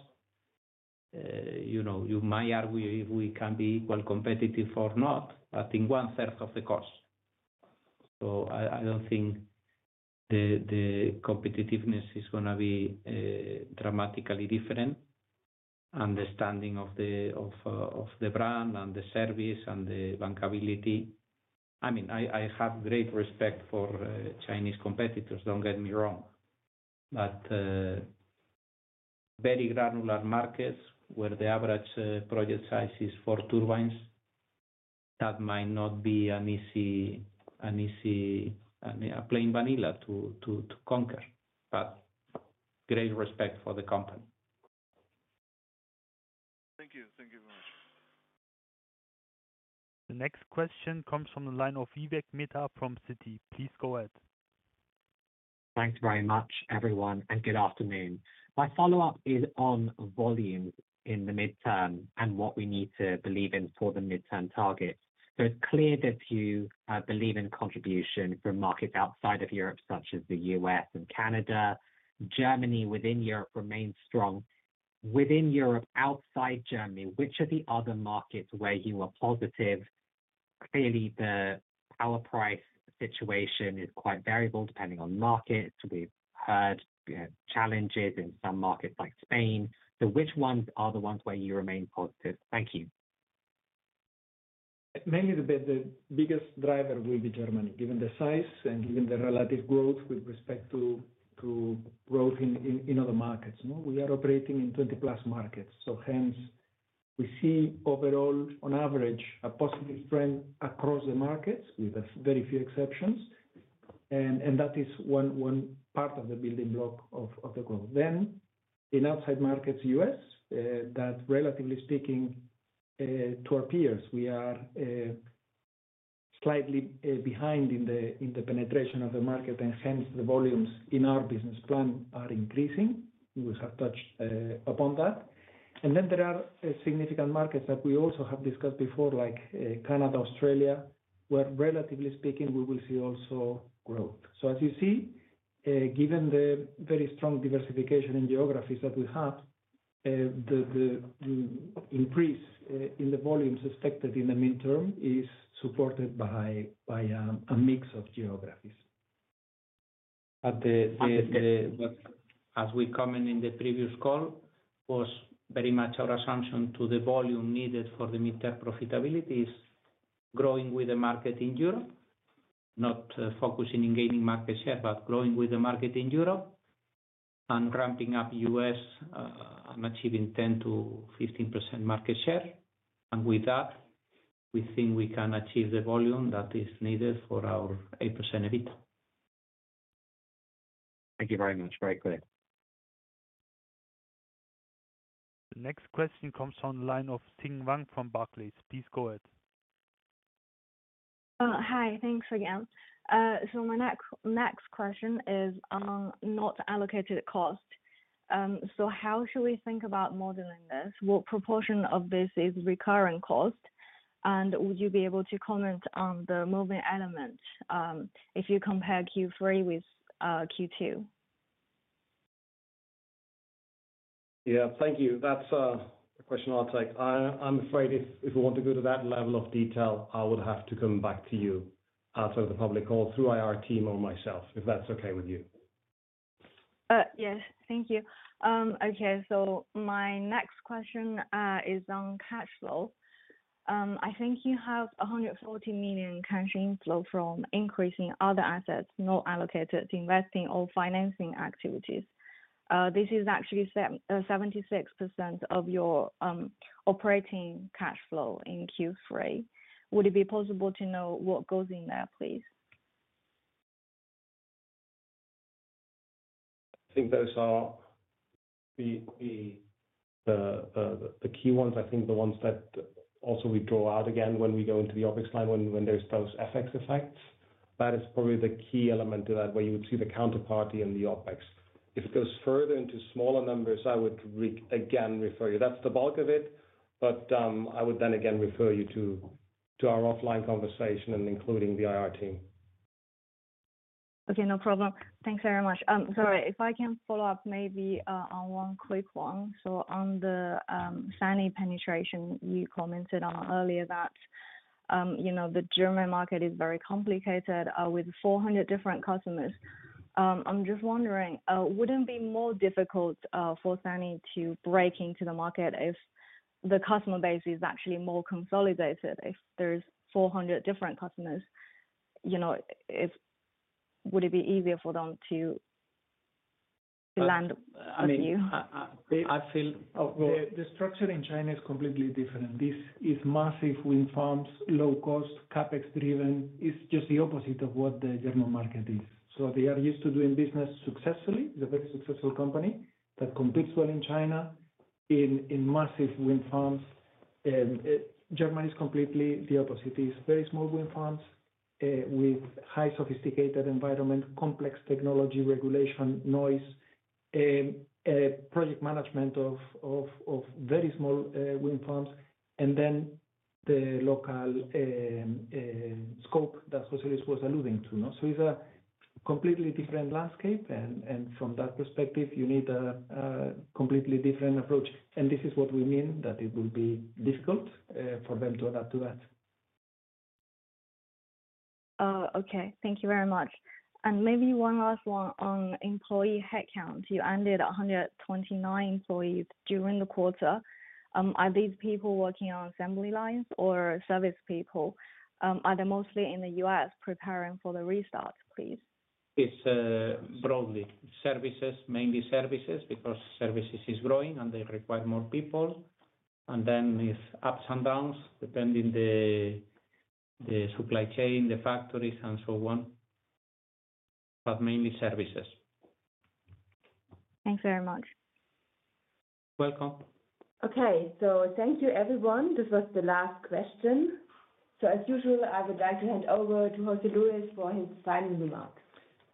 [SPEAKER 1] you might argue if we can be equal competitive or not, but in one-third of the cost. So I don't think the competitiveness is going to be dramatically different. Understanding of the brand and the service and the bankability. I mean, I have great respect for Chinese competitors, don't get me wrong. But very granular markets where the average project size is four turbines, that might not be an easy plain vanilla to conquer. But great respect for the company.
[SPEAKER 15] Thank you. Thank you very much.
[SPEAKER 5] The next question comes from the line of Vivek Midha from Citi. Please go ahead.
[SPEAKER 16] Thanks very much, everyone, and good afternoon. My follow-up is on volume in the midterm and what we need to believe in for the midterm targets. So it's clear that you believe in contribution from markets outside of Europe, such as the U.S. and Canada. Germany within Europe remains strong. Within Europe, outside Germany, which are the other markets where you are positive? Clearly, the power price situation is quite variable depending on markets. We've heard challenges in some markets like Spain. So which ones are the ones where you remain positive? Thank you.
[SPEAKER 1] Mainly, the biggest driver will be Germany, given the size and given the relative growth with respect to growth in other markets. We are operating in 20-plus markets. So hence, we see overall, on average, a positive trend across the markets with very few exceptions. And that is one part of the building block of the growth. Then, in outside markets, U.S., that relatively speaking, to our peers, we are slightly behind in the penetration of the market, and hence, the volumes in our business plan are increasing. We have touched upon that. And then there are significant markets that we also have discussed before, like Canada, Australia, where relatively speaking, we will see also growth. So as you see, given the very strong diversification in geographies that we have, the increase in the volumes expected in the midterm is supported by a mix of geographies. As we commented in the previous call, it was very much our assumption that the volume needed for the midterm profitability is growing with the market in Europe, not focusing on gaining market share, but growing with the market in Europe and ramping up U.S. and achieving 10%-15% market share. With that, we think we can achieve the volume that is needed for our 8% EBITDA.
[SPEAKER 16] Thank you very much. Very clear.
[SPEAKER 5] The next question comes from the line of Xin Wang from Barclays. Please go ahead.
[SPEAKER 9] Hi, thanks again. So my next question is on non-allocated costs. So how should we think about modeling this? What proportion of this is recurring costs? And would you be able to comment on the moving elements if you compare Q3 with Q2?
[SPEAKER 3] Yeah, thank you. That's a question I'll take. I'm afraid if we want to go to that level of detail, I would have to come back to you outside of the public call through our team or myself, if that's okay with you?
[SPEAKER 9] Yes, thank you. Okay, so my next question is on cash flow. I think you have 140 million cash inflow from increasing other assets not allocated to investing or financing activities. This is actually 76% of your operating cash flow in Q3. Would it be possible to know what goes in there, please?
[SPEAKER 3] I think those are the key ones. I think the ones that also we draw out again when we go into the OpEx line, when there's those FX effects, that is probably the key element to that where you would see the counterparty in the OpEx. If it goes further into smaller numbers, I would again refer you. That's the bulk of it. But I would then again refer you to our offline conversation and including the IR team.
[SPEAKER 9] Okay, no problem. Thanks very much. Sorry, if I can follow up maybe on one quick one. So on the Sany penetration, you commented on earlier that the German market is very complicated with 400 different customers. I'm just wondering, wouldn't it be more difficult for Sany to break into the market if the customer base is actually more consolidated? If there's 400 different customers, would it be easier for them to land with you?
[SPEAKER 2] I mean, I feel the structure in China is completely different. This is massive wind farms, low-cost, CapEx-driven. It's just the opposite of what the German market is. So they are used to doing business successfully. It's a very successful company that competes well in China in massive wind farms. Germany is completely the opposite. It's very small wind farms with high sophisticated environment, complex technology, regulation, noise, project management of very small wind farms, and then the local scope that José Luis was alluding to. So it's a completely different landscape. And from that perspective, you need a completely different approach. And this is what we mean, that it will be difficult for them to adapt to that.
[SPEAKER 9] Okay, thank you very much. And maybe one last one on employee headcount. You ended 129 employees during the quarter. Are these people working on assembly lines or service people? Are they mostly in the U.S. preparing for the restart, please?
[SPEAKER 1] It's broadly services, mainly services, because services is growing and they require more people, and then it's ups and downs depending on the supply chain, the factories, and so on, but mainly services.
[SPEAKER 9] Thanks very much.
[SPEAKER 1] Welcome.
[SPEAKER 4] Okay, so thank you, everyone. This was the last question. So as usual, I would like to hand over to José Luis for his final remarks.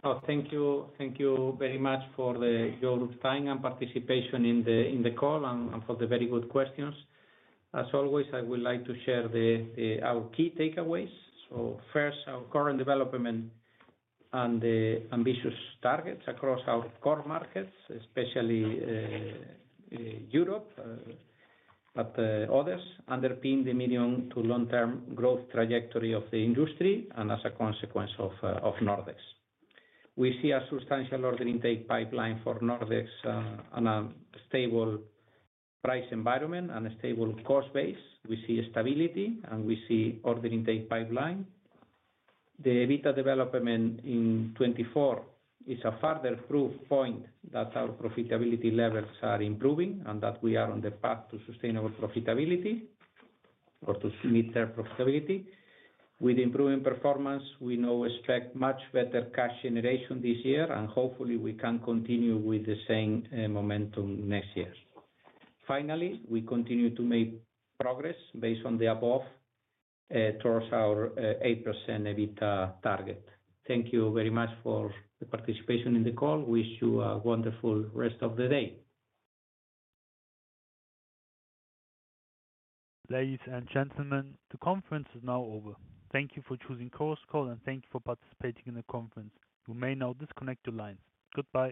[SPEAKER 1] Oh, thank you. Thank you very much for your time and participation in the call and for the very good questions. As always, I would like to share our key takeaways. So first, our current development and the ambitious targets across our core markets, especially Europe, but others underpin the medium to long-term growth trajectory of the industry and as a consequence of Nordex. We see a substantial order intake pipeline for Nordex and a stable price environment and a stable cost base. We see stability and we see order intake pipeline. The EBITDA development in 2024 is a further proof point that our profitability levels are improving and that we are on the path to sustainable profitability or to mid-term profitability. With improving performance, we now expect much better cash generation this year, and hopefully, we can continue with the same momentum next year. Finally, we continue to make progress based on the above towards our 8% EBITDA target. Thank you very much for the participation in the call. Wish you a wonderful rest of the day.
[SPEAKER 5] Ladies and gentlemen, the conference is now over. Thank you for choosing Chorus Call, and thank you for participating in the conference. You may now disconnect your lines. Goodbye.